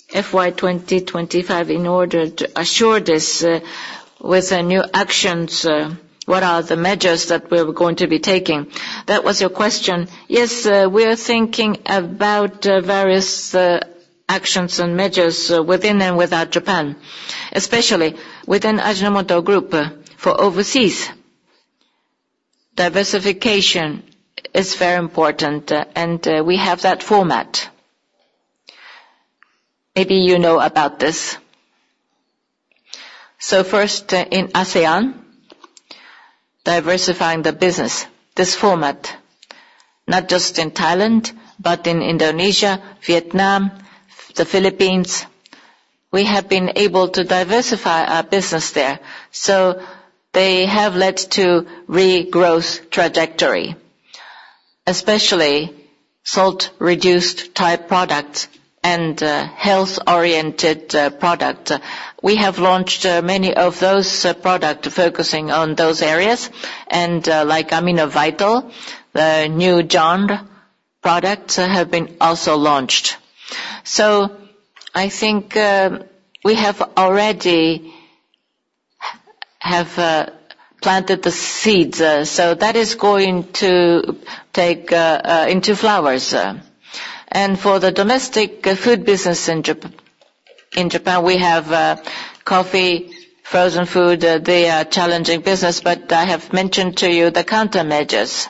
FY 2025, in order to assure this with new actions, what are the measures that we're going to be taking? That was your question. Yes, we're thinking about various actions and measures within and without Japan, especially within Ajinomoto Group for overseas. Diversification is very important, and we have that format. Maybe you know about this, so first, in ASEAN, diversifying the business, this format, not just in Thailand, but in Indonesia, Vietnam, the Philippines. We have been able to diversify our business there, so they have led to regrowth trajectory, especially salt-reduced type products and health-oriented products. We have launched many of those products focusing on those areas, and like AminoVital, the new gel products have been also launched, so I think we have already planted the seeds, so that is going to turn into flowers. For the domestic food business in Japan, we have coffee, frozen food. They are a challenging business, but I have mentioned to you the countermeasures.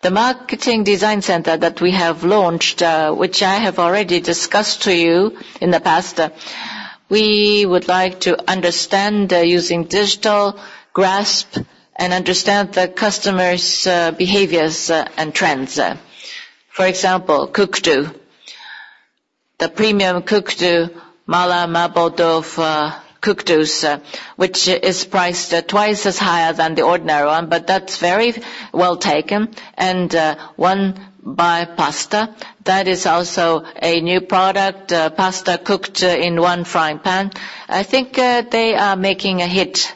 The marketing design center that we have launched, which I have already discussed to you in the past, we would like to understand using digital grasp and understand the customer's behaviors and trends. For example, Cook Do, the premium Cook Do, Mala Mabodofu Cook Do, which is priced twice as high than the ordinary one, but that's very well taken. One-Pan Pasta, that is also a new product, pasta cooked in one frying pan. I think they are making a hit.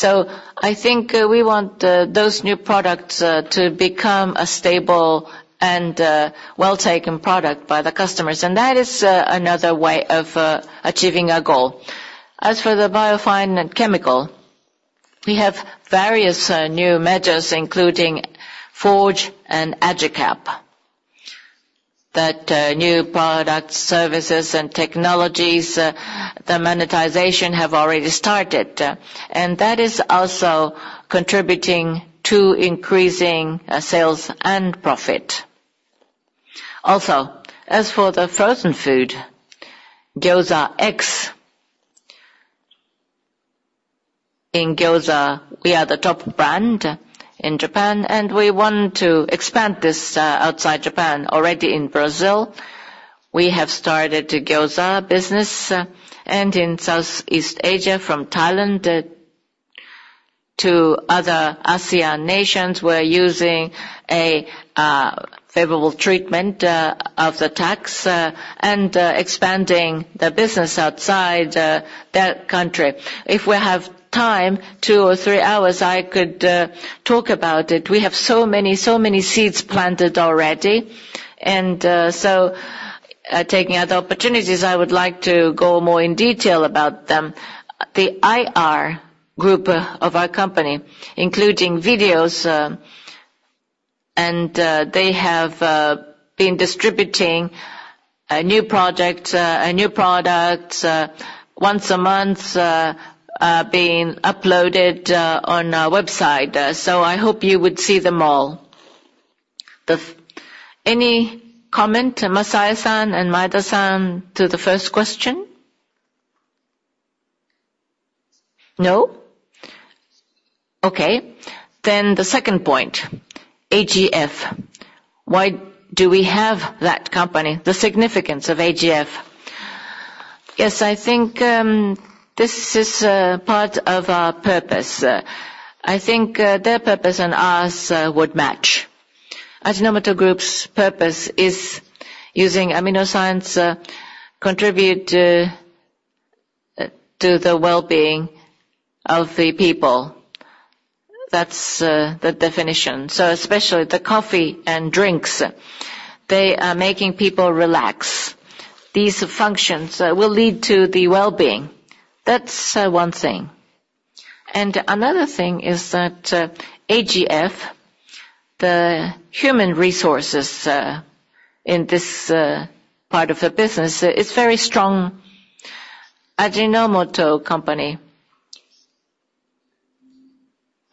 I think we want those new products to become a stable and well-taken product by the customers. That is another way of achieving our goal. As for the bio and fine chemical, we have various new measures, including Forge and AJICAP, that new products, services, and technologies, the monetization have already started. That is also contributing to increasing sales and profit. Also, as for the frozen food, Gyoza. In Gyoza, we are the top brand in Japan, and we want to expand this outside Japan. Already in Brazil, we have started the Gyoza business. In Southeast Asia, from Thailand to other ASEAN nations, we're using a favorable tax treatment and expanding the business outside that country. If we have time, two or three hours, I could talk about it. We have so many, so many seeds planted already. So taking other opportunities, I would like to go more in detail about them. The IR group of our company, including videos, and they have been distributing a new product, a new product once a month being uploaded on our website. So I hope you would see them all. Any comment, Masai-san and Maeda-san, to the first question? No? Okay. Then the second point, AGF. Why do we have that company? The significance of AGF. Yes, I think this is part of our purpose. I think their purpose and ours would match. Ajinomoto Group's purpose is using Amino Science, contribute to the well-being of the people. That's the definition. So especially the coffee and drinks, they are making people relax. These functions will lead to the well-being. That's one thing. And another thing is that AGF, the human resources in this part of the business, is very strong. Ajinomoto Company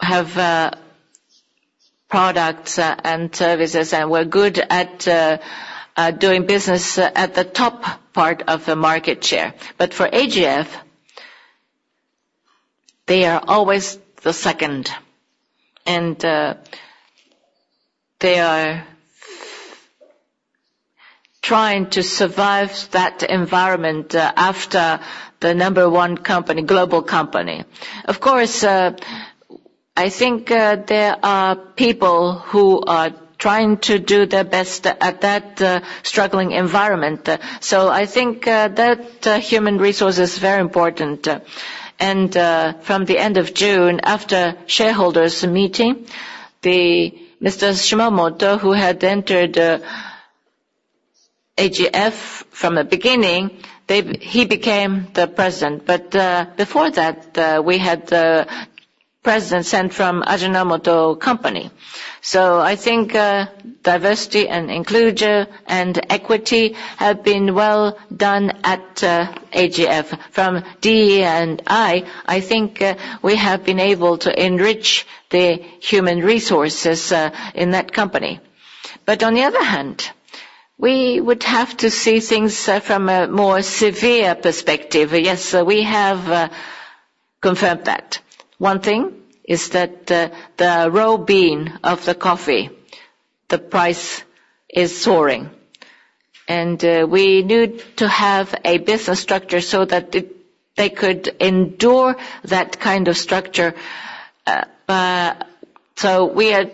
have products and services, and we're good at doing business at the top part of the market share. But for AGF, they are always the second. And they are trying to survive that environment after the number one global company. Of course, I think there are people who are trying to do their best at that struggling environment. So I think that human resource is very important. And from the end of June, after shareholders' meeting, Mr. Shimomoto, who had entered AGF from the beginning, he became the President. But before that, we had the President sent from Ajinomoto Company. So I think diversity and inclusion and equity have been well done at AGF. From DEI, I think we have been able to enrich the human resources in that company. But on the other hand, we would have to see things from a more severe perspective. Yes, we have confirmed that. One thing is that the raw bean of the coffee, the price is soaring. And we need to have a business structure so that they could endure that kind of structure. So we are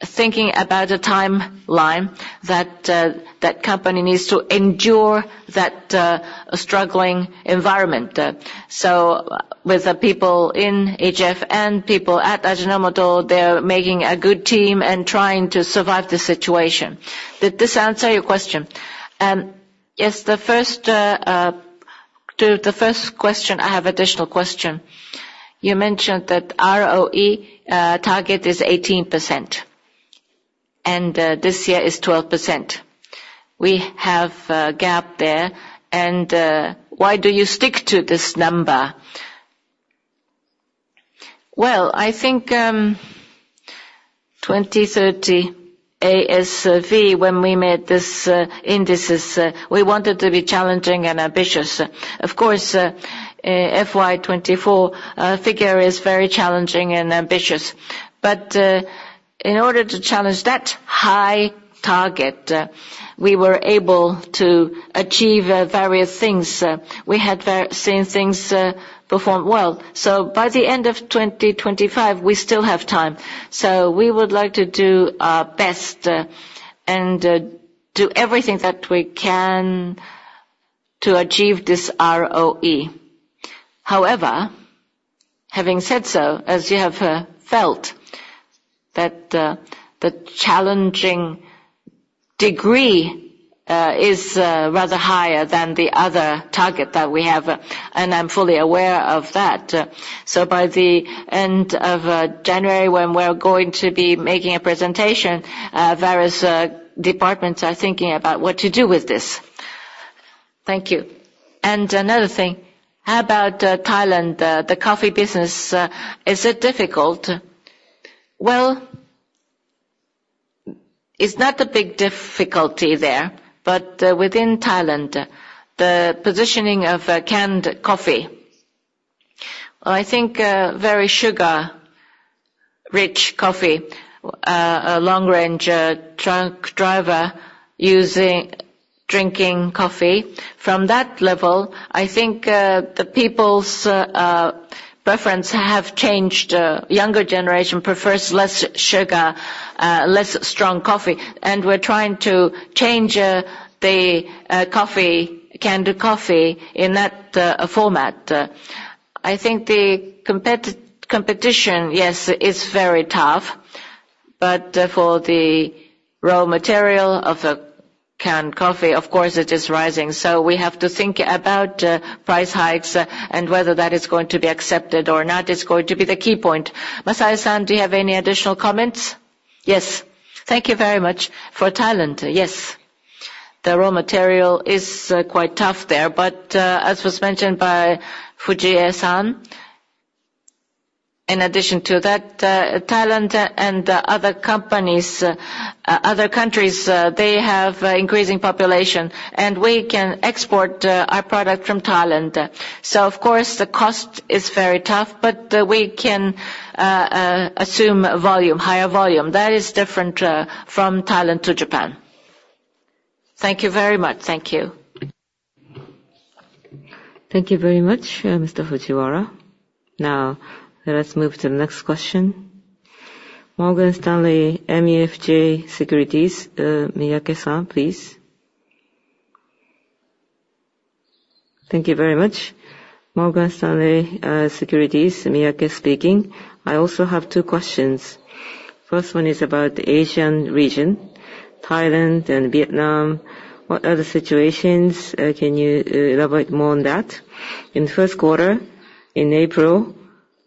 thinking about a timeline that that company needs to endure that struggling environment. So with the people in AGF and people at Ajinomoto, they're making a good team and trying to survive the situation. Did this answer your question? Yes, the first question, I have an additional question. You mentioned that ROE target is 18%, and this year is 12%. We have a gap there. And why do you stick to this number? Well, I think 2030 ASV, when we made this indices, we wanted to be challenging and ambitious. Of course, FY 2024 figure is very challenging and ambitious. But in order to challenge that high target, we were able to achieve various things. We had seen things perform well. So by the end of 2025, we still have time. So we would like to do our best and do everything that we can to achieve this ROE. However, having said so, as you have felt, that the challenging degree is rather higher than the other target that we have. And I'm fully aware of that. So by the end of January, when we're going to be making a presentation, various departments are thinking about what to do with this. Thank you. And another thing, how about Thailand, the coffee business? Is it difficult? Well, it's not a big difficulty there, but within Thailand, the positioning of canned coffee, I think very sugar-rich coffee, a long-range truck driver drinking coffee. From that level, I think the people's preference has changed. The younger generation prefers less sugar, less strong coffee, and we're trying to change the canned coffee in that format. I think the competition, yes, is very tough, but for the raw material of the canned coffee, of course, it is rising, so we have to think about price hikes and whether that is going to be accepted or not is going to be the key point. Masai-san, do you have any additional comments? Yes. Thank you very much. For Thailand, yes. The raw material is quite tough there, but as was mentioned by Fujii-san, in addition to that, Thailand and other countries, they have an increasing population, and we can export our product from Thailand, so of course, the cost is very tough, but we can assume volume, higher volume. That is different from Thailand to Japan. Thank you very much. Thank you. Thank you very much, Mr. Fujiwara. Now, let us move to the next question. Morgan Stanley MUFG Securities, Miyake-san, please. Thank you very much. Morgan Stanley MUFG Securities, Miyake speaking. I also have two questions. First one is about the Asian region, Thailand and Vietnam. What other situations can you elaborate more on that? In the first quarter, in April,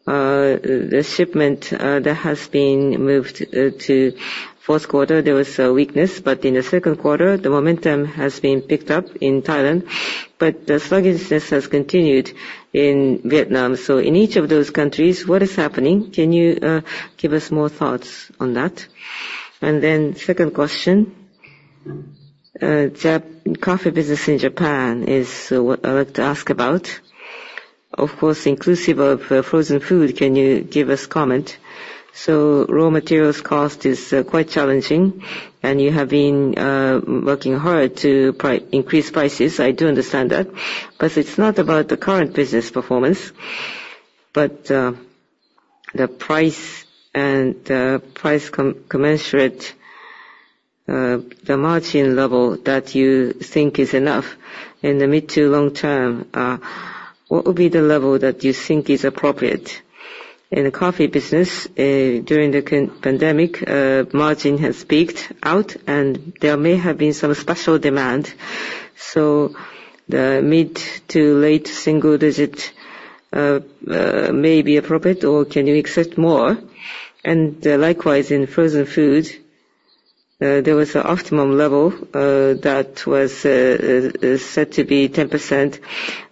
the shipment that has been moved to fourth quarter, there was a weakness. But in the second quarter, the momentum has been picked up in Thailand. But the sluggishness has continued in Vietnam. So in each of those countries, what is happening? Can you give us more thoughts on that? And then second question, coffee business in Japan is what I'd like to ask about. Of course, inclusive of frozen food, can you give us a comment? So raw materials cost is quite challenging. You have been working hard to increase prices. I do understand that. But it's not about the current business performance, but the price and the price commensurate, the margin level that you think is enough in the mid- to long-term. What would be the level that you think is appropriate? In the coffee business, during the pandemic, margin has peaked out, and there may have been some special demand. So the mid- to late-single-digit may be appropriate, or can you accept more? And likewise, in frozen food, there was an optimum level that was set to be 10%.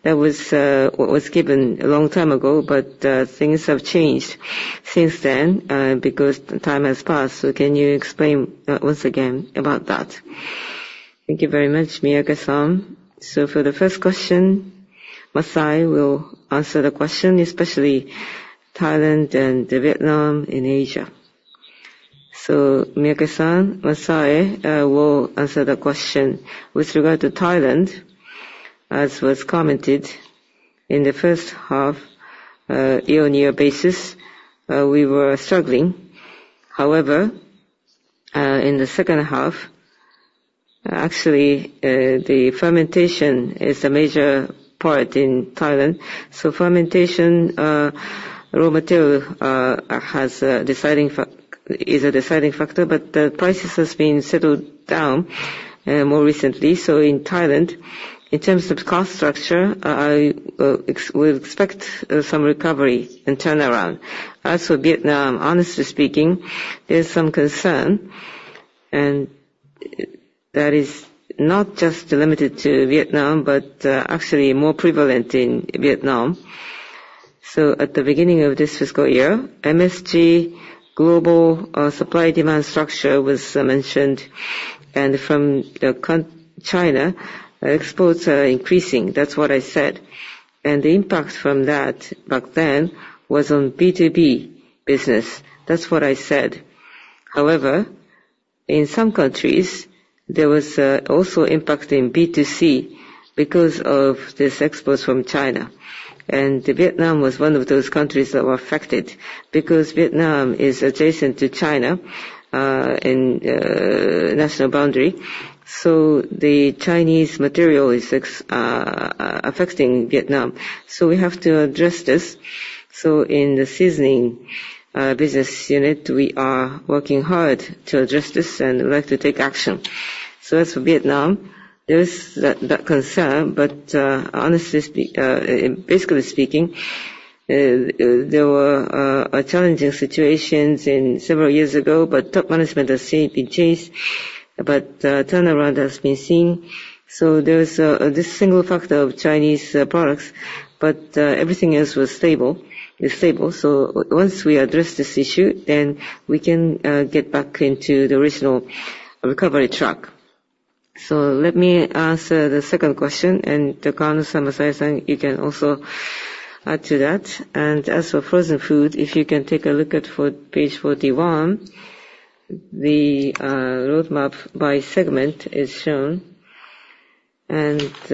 That was given a long time ago, but things have changed since then because time has passed. So can you explain once again about that? Thank you very much, Miyake-san. So for the first question, Masai will answer the question, especially Thailand and Vietnam in Asia. So Miyake-san, Masai will answer the question. With regard to Thailand, as was commented, in the first half, year-on-year basis, we were struggling. However, in the second half, actually, the fermentation is the major part in Thailand. So fermentation, raw material is a deciding factor, but the prices have been settled down more recently. So in Thailand, in terms of cost structure, we expect some recovery and turnaround. As for Vietnam, honestly speaking, there's some concern. And that is not just limited to Vietnam, but actually more prevalent in Vietnam. So at the beginning of this fiscal year, MSG global supply demand structure was mentioned. And from China, exports are increasing. That's what I said. And the impact from that back then was on B2B business. That's what I said. However, in some countries, there was also impact in B2C because of these exports from China. Vietnam was one of those countries that were affected because Vietnam is adjacent to China in national boundary. So the Chinese material is affecting Vietnam. So we have to address this. So in the seasoning business unit, we are working hard to address this and would like to take action. So as for Vietnam, there is that concern. But honestly, basically speaking, there were challenging situations several years ago, but top management has seen it changed. But turnaround has been seen. So there's this single factor of Chinese products, but everything else was stable. It's stable. So once we address this issue, then we can get back into the original recovery track. So let me answer the second question. And Kawana-san, Masai-san, you can also add to that. And as for frozen food, if you can take a look at page 41, the roadmap by segment is shown. ROIC,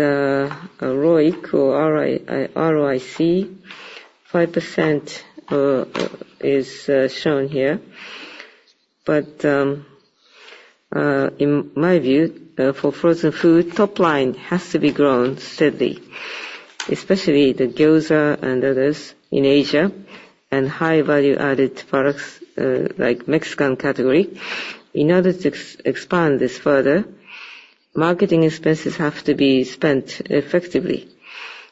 5% is shown here. In my view, for frozen food, top line has to be grown steadily, especially the gyoza and others in Asia and high-value-added products like Mexican category. In order to expand this further, marketing expenses have to be spent effectively.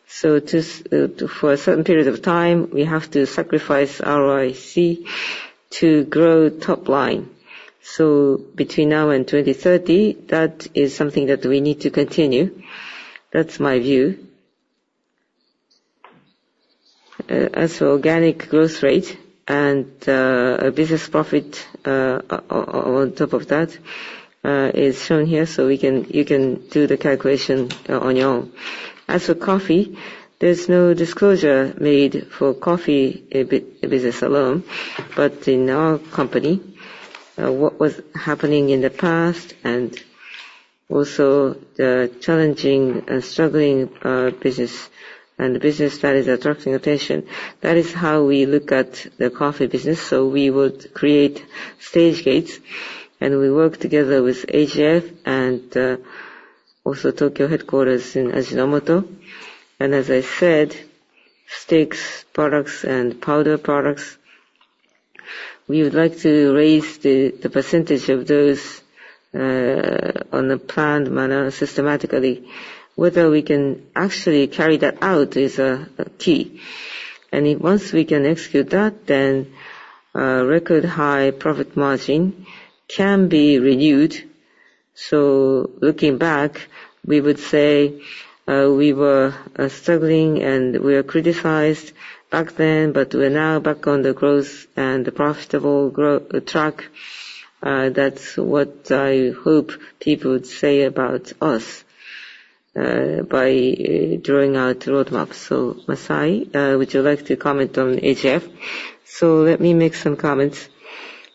So for a certain period of time, we have to sacrifice ROIC to grow top line. So between now and 2030, that is something that we need to continue. That's my view. As for organic growth rate and business profit on top of that, it's shown here. So you can do the calculation on your own. As for coffee, there's no disclosure made for coffee business alone. In our company, what was happening in the past and also the challenging and struggling business and the business that is attracting attention, that is how we look at the coffee business. We would create stage gates. And we work together with AGF and also Tokyo headquarters in Ajinomoto. And as I said, sticks, products, and powder products, we would like to raise the percentage of those on a planned manner systematically. Whether we can actually carry that out is key. And once we can execute that, then record-high profit margin can be renewed. So looking back, we would say we were struggling and we were criticized back then, but we're now back on the growth and the profitable track. That's what I hope people would say about us by drawing out the roadmap. So Masai, would you like to comment on AGF? So let me make some comments.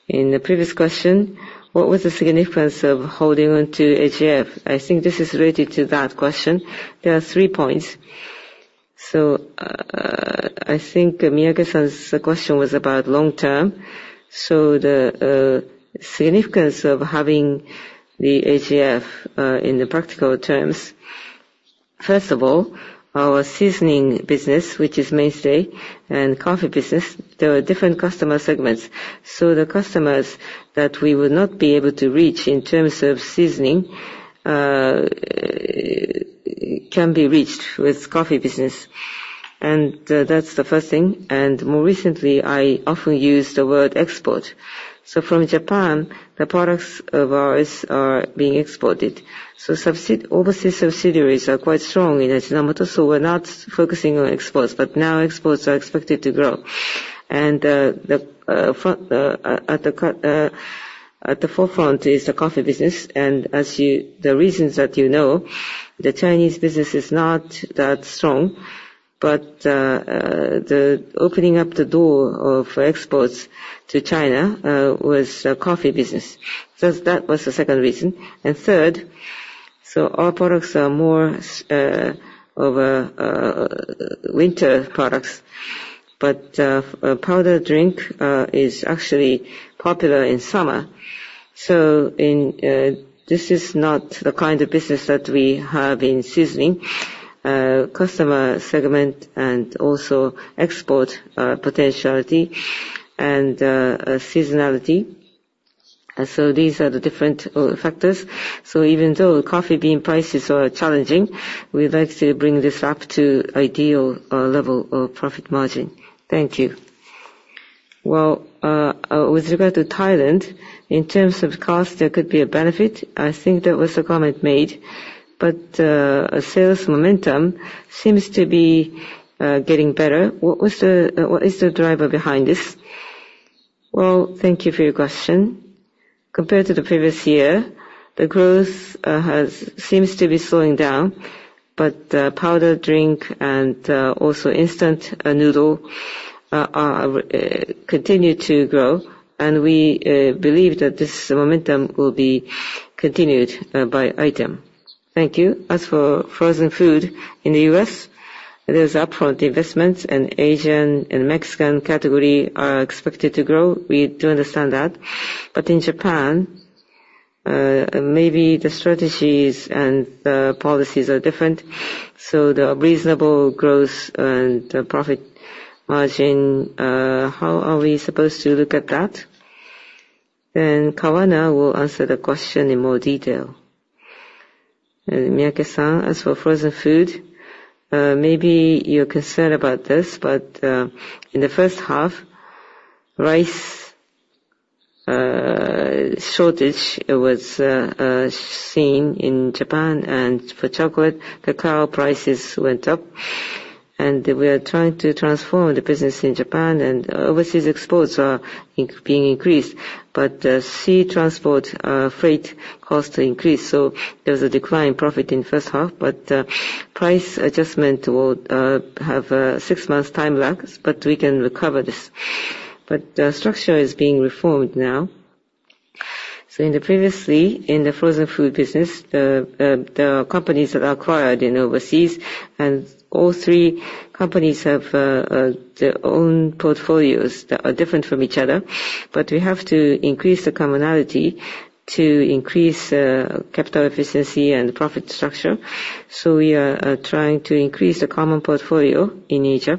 In the previous question, what was the significance of holding on to AGF? I think this is related to that question. There are three points. I think Miyake-san's question was about long-term. So the significance of having the AGF in the practical terms. First of all, our seasoning business, which is mainstay, and coffee business, there are different customer segments. So the customers that we would not be able to reach in terms of seasoning can be reached with coffee business. And that's the first thing. And more recently, I often use the word export. So from Japan, the products of ours are being exported. So overseas subsidiaries are quite strong in Ajinomoto. So we're not focusing on exports, but now exports are expected to grow. And at the forefront is the coffee business. And the reasons that you know, the Chinese business is not that strong, but the opening up the door of exports to China was the coffee business. So that was the second reason. And third, so our products are more of winter products. But powder drink is actually popular in summer. So this is not the kind of business that we have in seasoning, customer segment, and also export potentiality and seasonality. So these are the different factors. So even though coffee bean prices are challenging, we'd like to bring this up to ideal level of profit margin. Thank you. Well, with regard to Thailand, in terms of cost, there could be a benefit. I think that was a comment made. But sales momentum seems to be getting better. What is the driver behind this? Well, thank you for your question. Compared to the previous year, the growth seems to be slowing down. But powder drink and also instant noodle continue to grow. And we believe that this momentum will be continued by item. Thank you. As for frozen food in the U.S., there's upfront investments, and Asian and Mexican category are expected to grow. We do understand that, but in Japan, maybe the strategies and the policies are different, so the reasonable growth and profit margin, how are we supposed to look at that? Then Kawana will answer the question in more detail. Miyake-san, as for frozen food, maybe you're concerned about this, but in the first half, rice shortage was seen in Japan, and for chocolate, cacao prices went up, and we are trying to transform the business in Japan, and overseas exports are being increased, but sea transport freight costs increased, so there was a decline in profit in the first half, but price adjustment will have a six-month time lag, but we can recover this, but the structure is being reformed now. So previously, in the frozen food business, the companies that are acquired overseas, and all three companies have their own portfolios that are different from each other, but we have to increase the commonality to increase capital efficiency and profit structure, so we are trying to increase the common portfolio in Asia,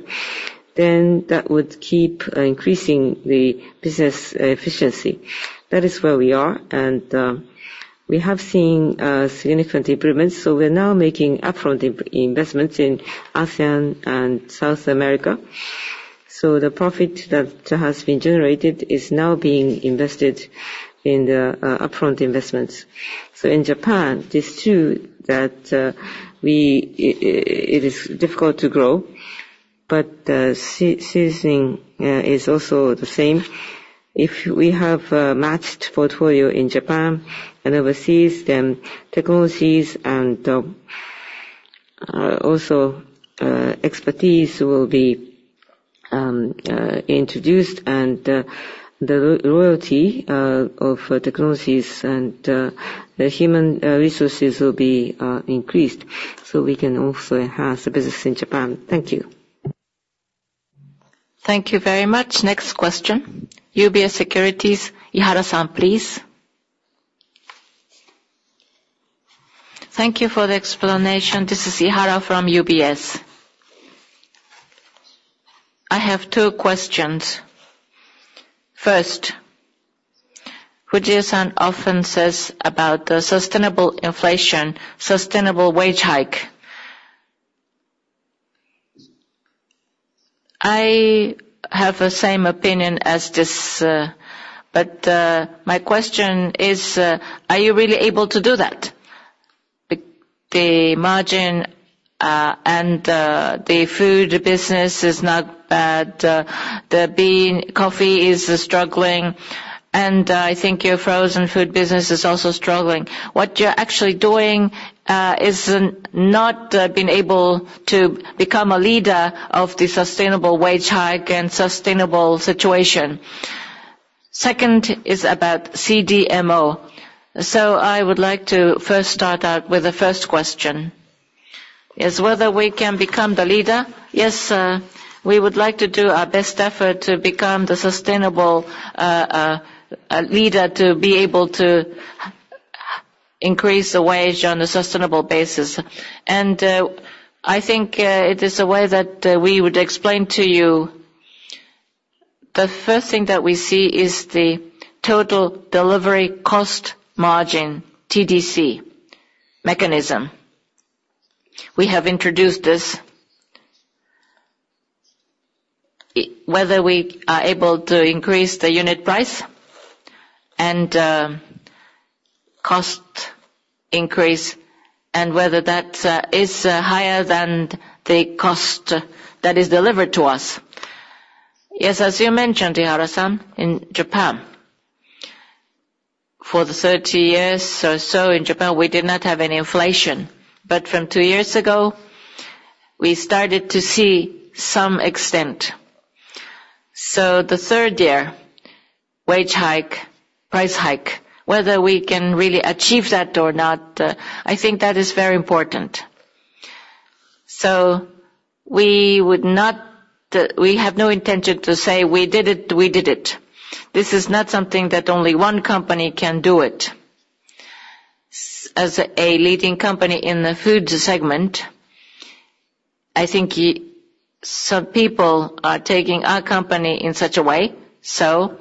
then that would keep increasing the business efficiency. That is where we are, and we have seen significant improvements, so we're now making upfront investments in ASEAN and South America, so the profit that has been generated is now being invested in the upfront investments, so in Japan, these two that it is difficult to grow, but seasoning is also the same. If we have matched portfolio in Japan and overseas, then technologies and also expertise will be introduced, and the loyalty of technologies and human resources will be increased. So we can also enhance the business in Japan. Thank you. Thank you very much. Next question. UBS Securities, Ihara-san, please. Thank you for the explanation. This is Ihara from UBS. I have two questions. First, Fujie-san often says about the sustainable inflation, sustainable wage hike. I have the same opinion as this. But my question is, are you really able to do that? The margin and the food business is not bad. The bean coffee is struggling. And I think your frozen food business is also struggling. What you're actually doing is not being able to become a leader of the sustainable wage hike and sustainable situation. Second is about CDMO. So I would like to first start out with the first question. Is whether we can become the leader? Yes, we would like to do our best effort to become the sustainable leader to be able to increase the wage on a sustainable basis, and I think it is a way that we would explain to you. The first thing that we see is the total delivery cost margin, TDC, mechanism. We have introduced this. Whether we are able to increase the unit price and cost increase and whether that is higher than the cost that is delivered to us. Yes, as you mentioned, Ihara-san, in Japan, for the 30 years or so in Japan, we did not have any inflation, but from two years ago, we started to see some extent, so the third year, wage hike, price hike, whether we can really achieve that or not, I think that is very important, so we have no intention to say we did it, we did it. This is not something that only one company can do it. As a leading company in the food segment, I think some people are taking our company in such a way. So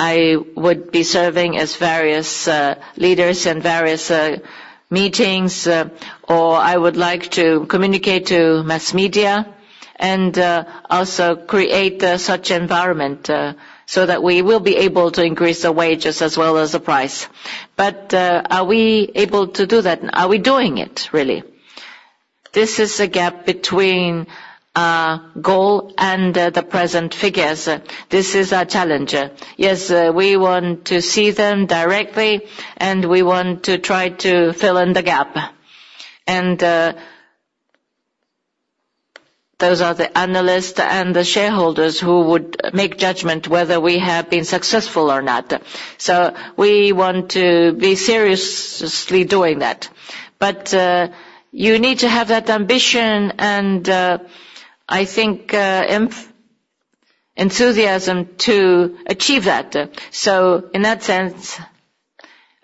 I would be serving as various leaders and various meetings, or I would like to communicate to mass media and also create such an environment so that we will be able to increase the wages as well as the price. But are we able to do that? Are we doing it, really? This is a gap between our goal and the present figures. This is our challenge. Yes, we want to see them directly, and we want to try to fill in the gap. And those are the analysts and the shareholders who would make judgment whether we have been successful or not. So we want to be seriously doing that. But you need to have that ambition and, I think, enthusiasm to achieve that. So in that sense,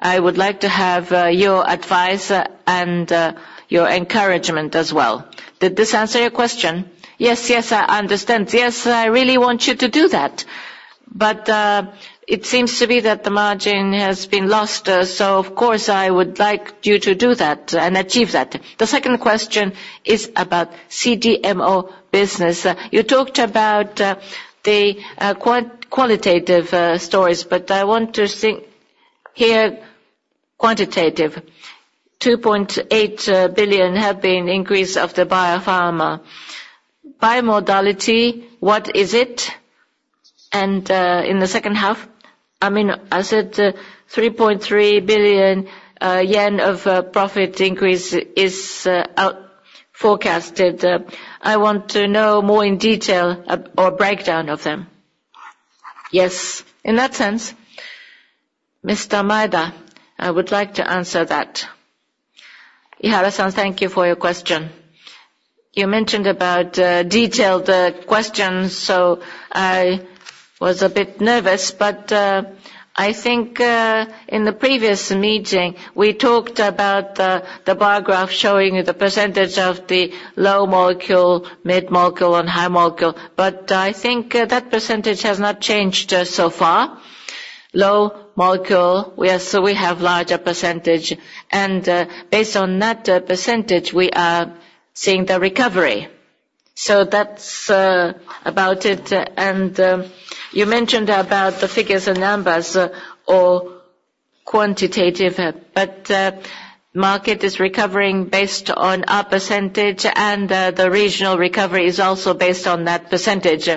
I would like to have your advice and your encouragement as well. Did this answer your question? Yes, yes, I understand. Yes, I really want you to do that. But it seems to be that the margin has been lost. So, of course, I would like you to do that and achieve that. The second question is about CDMO business. You talked about the qualitative stories, but I want to hear quantitative. 2.8 billion have been increased of the biopharma. Biopharma modality, what is it? And in the second half, I mean, I said 3.3 billion yen of profit increase is forecasted. I want to know more in detail or breakdown of them. Yes, in that sense, Mr. Maeda, I would like to answer that. Ihara-san, thank you for your question. You mentioned about detailed questions, so I was a bit nervous. But I think in the previous meeting, we talked about the bar graph showing the percentage of the low molecule, mid molecule, and high molecule. But I think that percentage has not changed so far. Low molecule, we have a larger percentage. And based on that percentage, we are seeing the recovery. So that's about it. And you mentioned about the figures and numbers or quantitative. But the market is recovering based on our percentage, and the regional recovery is also based on that percentage.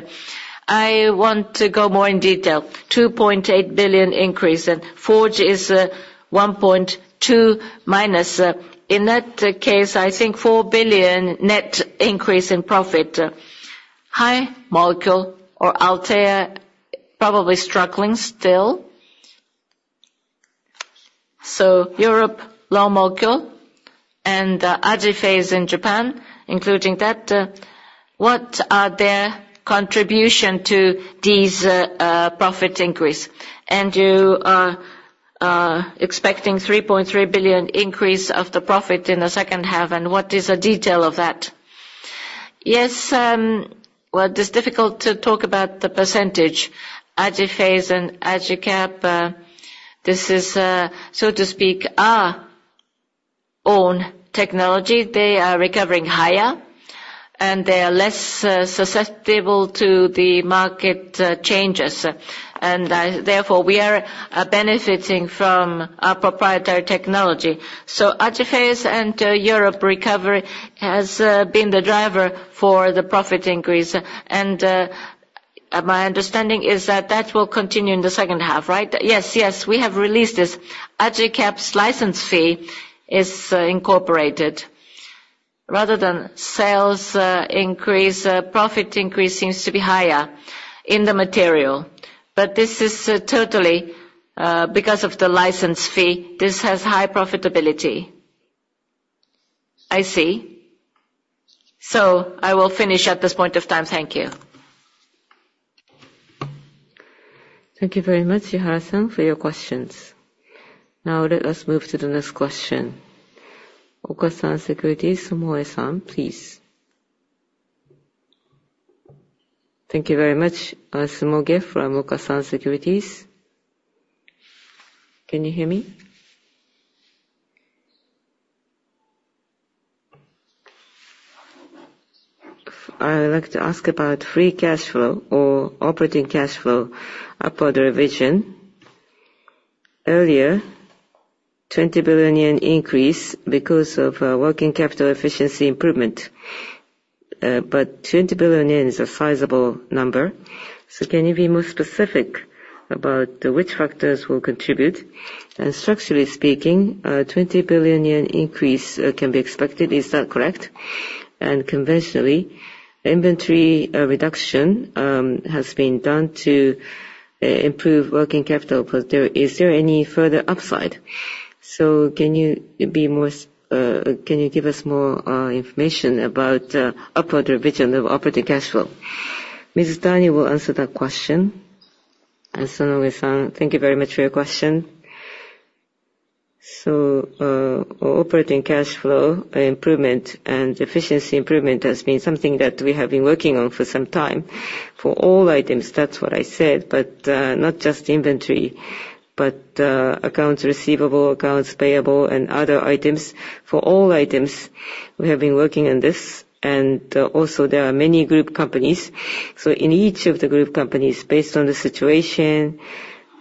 I want to go more in detail. 2.8 billion increase. Forge is 1.2 billion-. In that case, I think 4 billion net increase in profit. High molecule or Althea probably struggling still. So Europe, low molecule, and AJIPHASE in Japan, including that. What are their contributions to these profit increases? You are expecting 3.3 billion increase of the profit in the second half. What is the detail of that? Yes, well, it is difficult to talk about the percentage. AJIPHASE and AJICAP, this is, so to speak, our own technology. They are recovering higher, and they are less susceptible to the market changes. Therefore, we are benefiting from our proprietary technology. AJIPHASE and Europe recovery has been the driver for the profit increase. My understanding is that that will continue in the second half, right? Yes, yes, we have released this. AJICAP's license fee is incorporated. Rather than sales increase, profit increase seems to be higher in the material. This is totally because of the license fee. This has high profitability. I see. I will finish at this point of time. Thank you. Thank you very much, Ihara-san, for your questions. Now, let us move to the next question. Okasan Securities, Sumoe-san, please. Thank you very much. Sumoe from Okasan Securities. Can you hear me? I would like to ask about free cash flow or operating cash flow upward revision. Earlier, 20 billion yen increase because of working capital efficiency improvement. But 20 billion yen is a sizable number. So can you be more specific about which factors will contribute? And structurally speaking, 20 billion yen increase can be expected. Is that correct? And conventionally, inventory reduction has been done to improve working capital. But is there any further upside? So can you give us more information about upward revision of operating cash flow? Ms. Otani will answer that question. And Sumoe-san, thank you very much for your question. So operating cash flow improvement and efficiency improvement has been something that we have been working on for some time for all items. That's what I said. But not just inventory, but accounts receivable, accounts payable, and other items. For all items, we have been working on this. And also, there are many group companies. So in each of the group companies, based on the situation,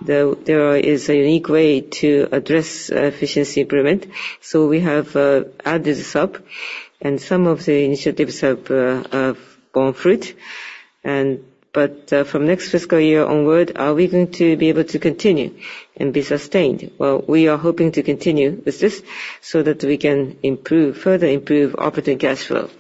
there is a unique way to address efficiency improvement. So we have added this up. And some of the initiatives have borne fruit. But from next fiscal year onward, are we going to be able to continue and be sustained? Well, we are hoping to continue with this so that we can further improve operating cash flow.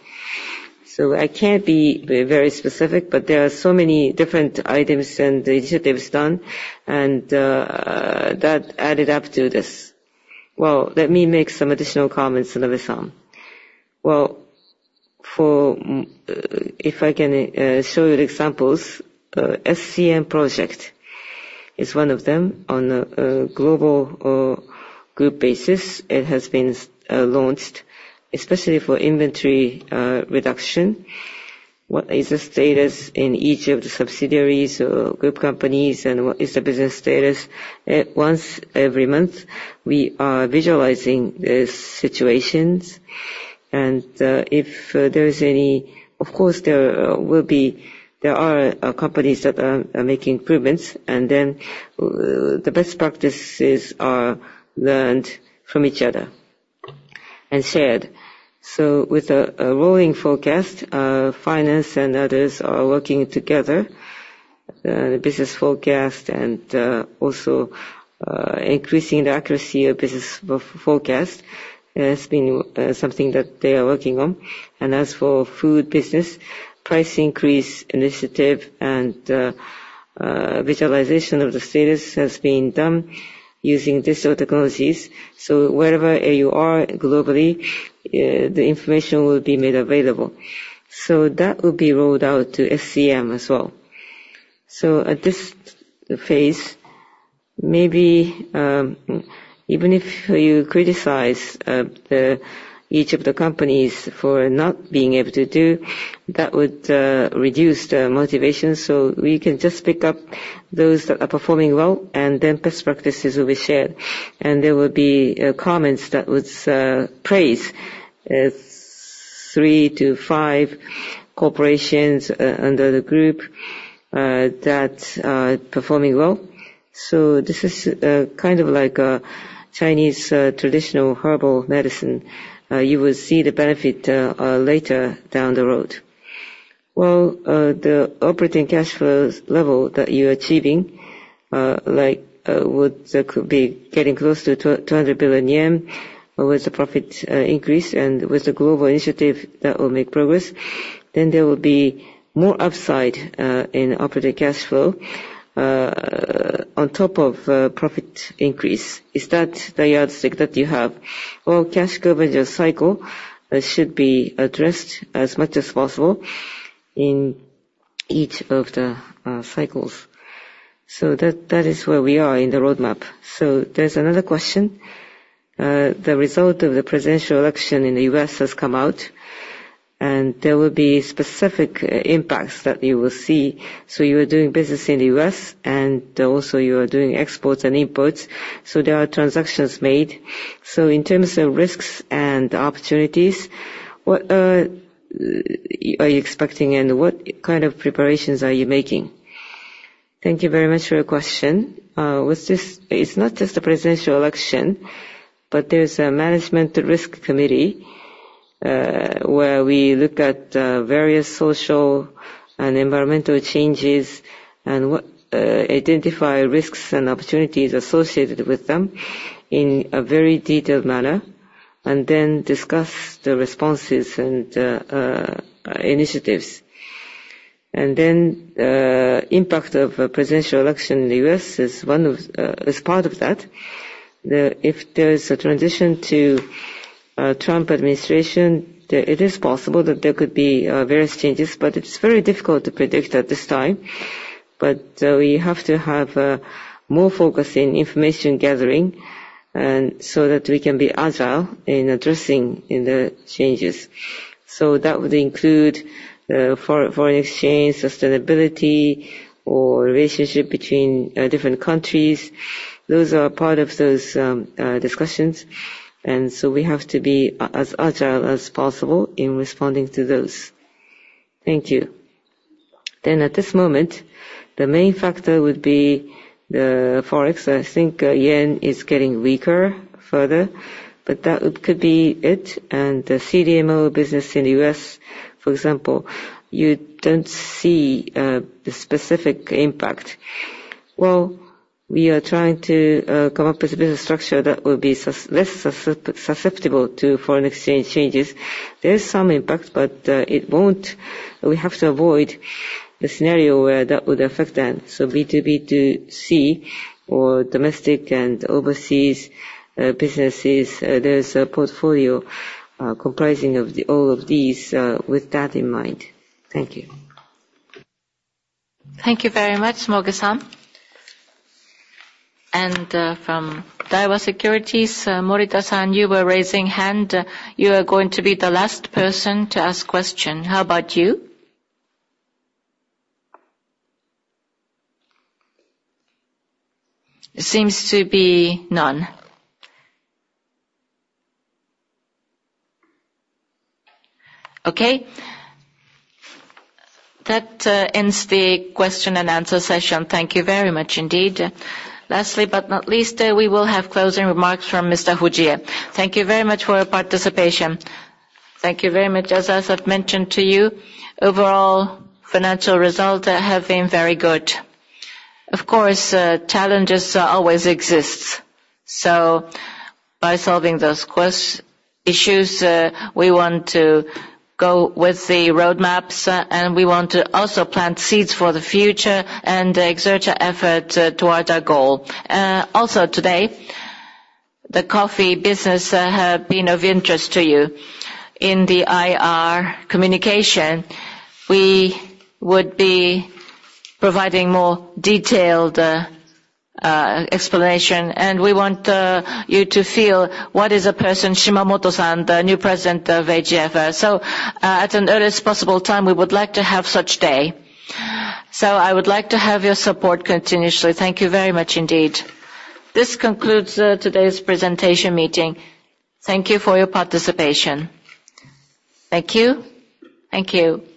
So I can't be very specific, but there are so many different items and initiatives done. And that added up to this. Let me make some additional comments, Sumoe-san. If I can show you the examples, SCM project is one of them on a global group basis. It has been launched, especially for inventory reduction. What is the status in each of the subsidiaries or group companies? And what is the business status? Once every month, we are visualizing the situations. And if there is any, of course, there are companies that are making improvements. And then the best practices are learned from each other and shared. So with a rolling forecast, finance and others are working together. The business forecast and also increasing the accuracy of business forecast has been something that they are working on. And as for food business, price increase initiative and visualization of the status has been done using digital technologies. So wherever you are globally, the information will be made available. That will be rolled out to SCM as well. At this phase, maybe even if you criticize each of the companies for not being able to do, that would reduce the motivation. We can just pick up those that are performing well and then best practices will be shared. There will be comments that would praise three to five corporations under the group that are performing well. This is kind of like a Chinese traditional herbal medicine. You will see the benefit later down the road. The operating cash flow level that you're achieving would be getting close to 200 billion yen with the profit increase and with the global initiative that will make progress. Then there will be more upside in operating cash flow on top of profit increase. Is that the yardstick that you have? Cash conversion cycle should be addressed as much as possible in each of the cycles. That is where we are in the roadmap. There's another question. The result of the presidential election in the U.S. has come out. There will be specific impacts that you will see. You are doing business in the U.S., and also you are doing exports and imports. There are transactions made. In terms of risks and opportunities, what are you expecting and what kind of preparations are you making? Thank you very much for your question. It's not just a presidential election, but there's a management risk committee where we look at various social and environmental changes and identify risks and opportunities associated with them in a very detailed manner and then discuss the responses and initiatives. And then the impact of a presidential election in the U.S. is part of that. If there is a transition to a Trump administration, it is possible that there could be various changes, but it's very difficult to predict at this time. But we have to have more focus in information gathering so that we can be agile in addressing the changes. So that would include foreign exchange, sustainability, or relationship between different countries. Those are part of those discussions. And so we have to be as agile as possible in responding to those. Thank you. Then at this moment, the main factor would be the forex. I think yen is getting weaker further, but that could be it. And the CDMO business in the U.S., for example, you don't see the specific impact. We are trying to come up with a business structure that will be less susceptible to foreign exchange changes. There is some impact, but we have to avoid the scenario where that would affect them. So B2B2C or domestic and overseas businesses, there is a portfolio comprising of all of these with that in mind. Thank you. Thank you very much, Sumoe-san. And from Daiwa Securities, Morita-san, you were raising hand. You are going to be the last person to ask a question. How about you? It seems to be none. Okay. That ends the question and answer session. Thank you very much indeed. Lastly, but not least, we will have closing remarks from Mr. Fujie. Thank you very much for your participation. Thank you very much. As I've mentioned to you, overall financial results have been very good. Of course, challenges always exist. So by solving those issues, we want to go with the roadmaps, and we want to also plant seeds for the future and exert our effort toward our goal. Also, today, the coffee business has been of interest to you. In the IR communication, we would be providing more detailed explanation, and we want you to feel what is a person, Shimamoto-san, the new president of AGF. So at an earliest possible time, we would like to have such day. So I would like to have your support continuously. Thank you very much indeed. This concludes today's presentation meeting. Thank you for your participation. Thank you. Thank you.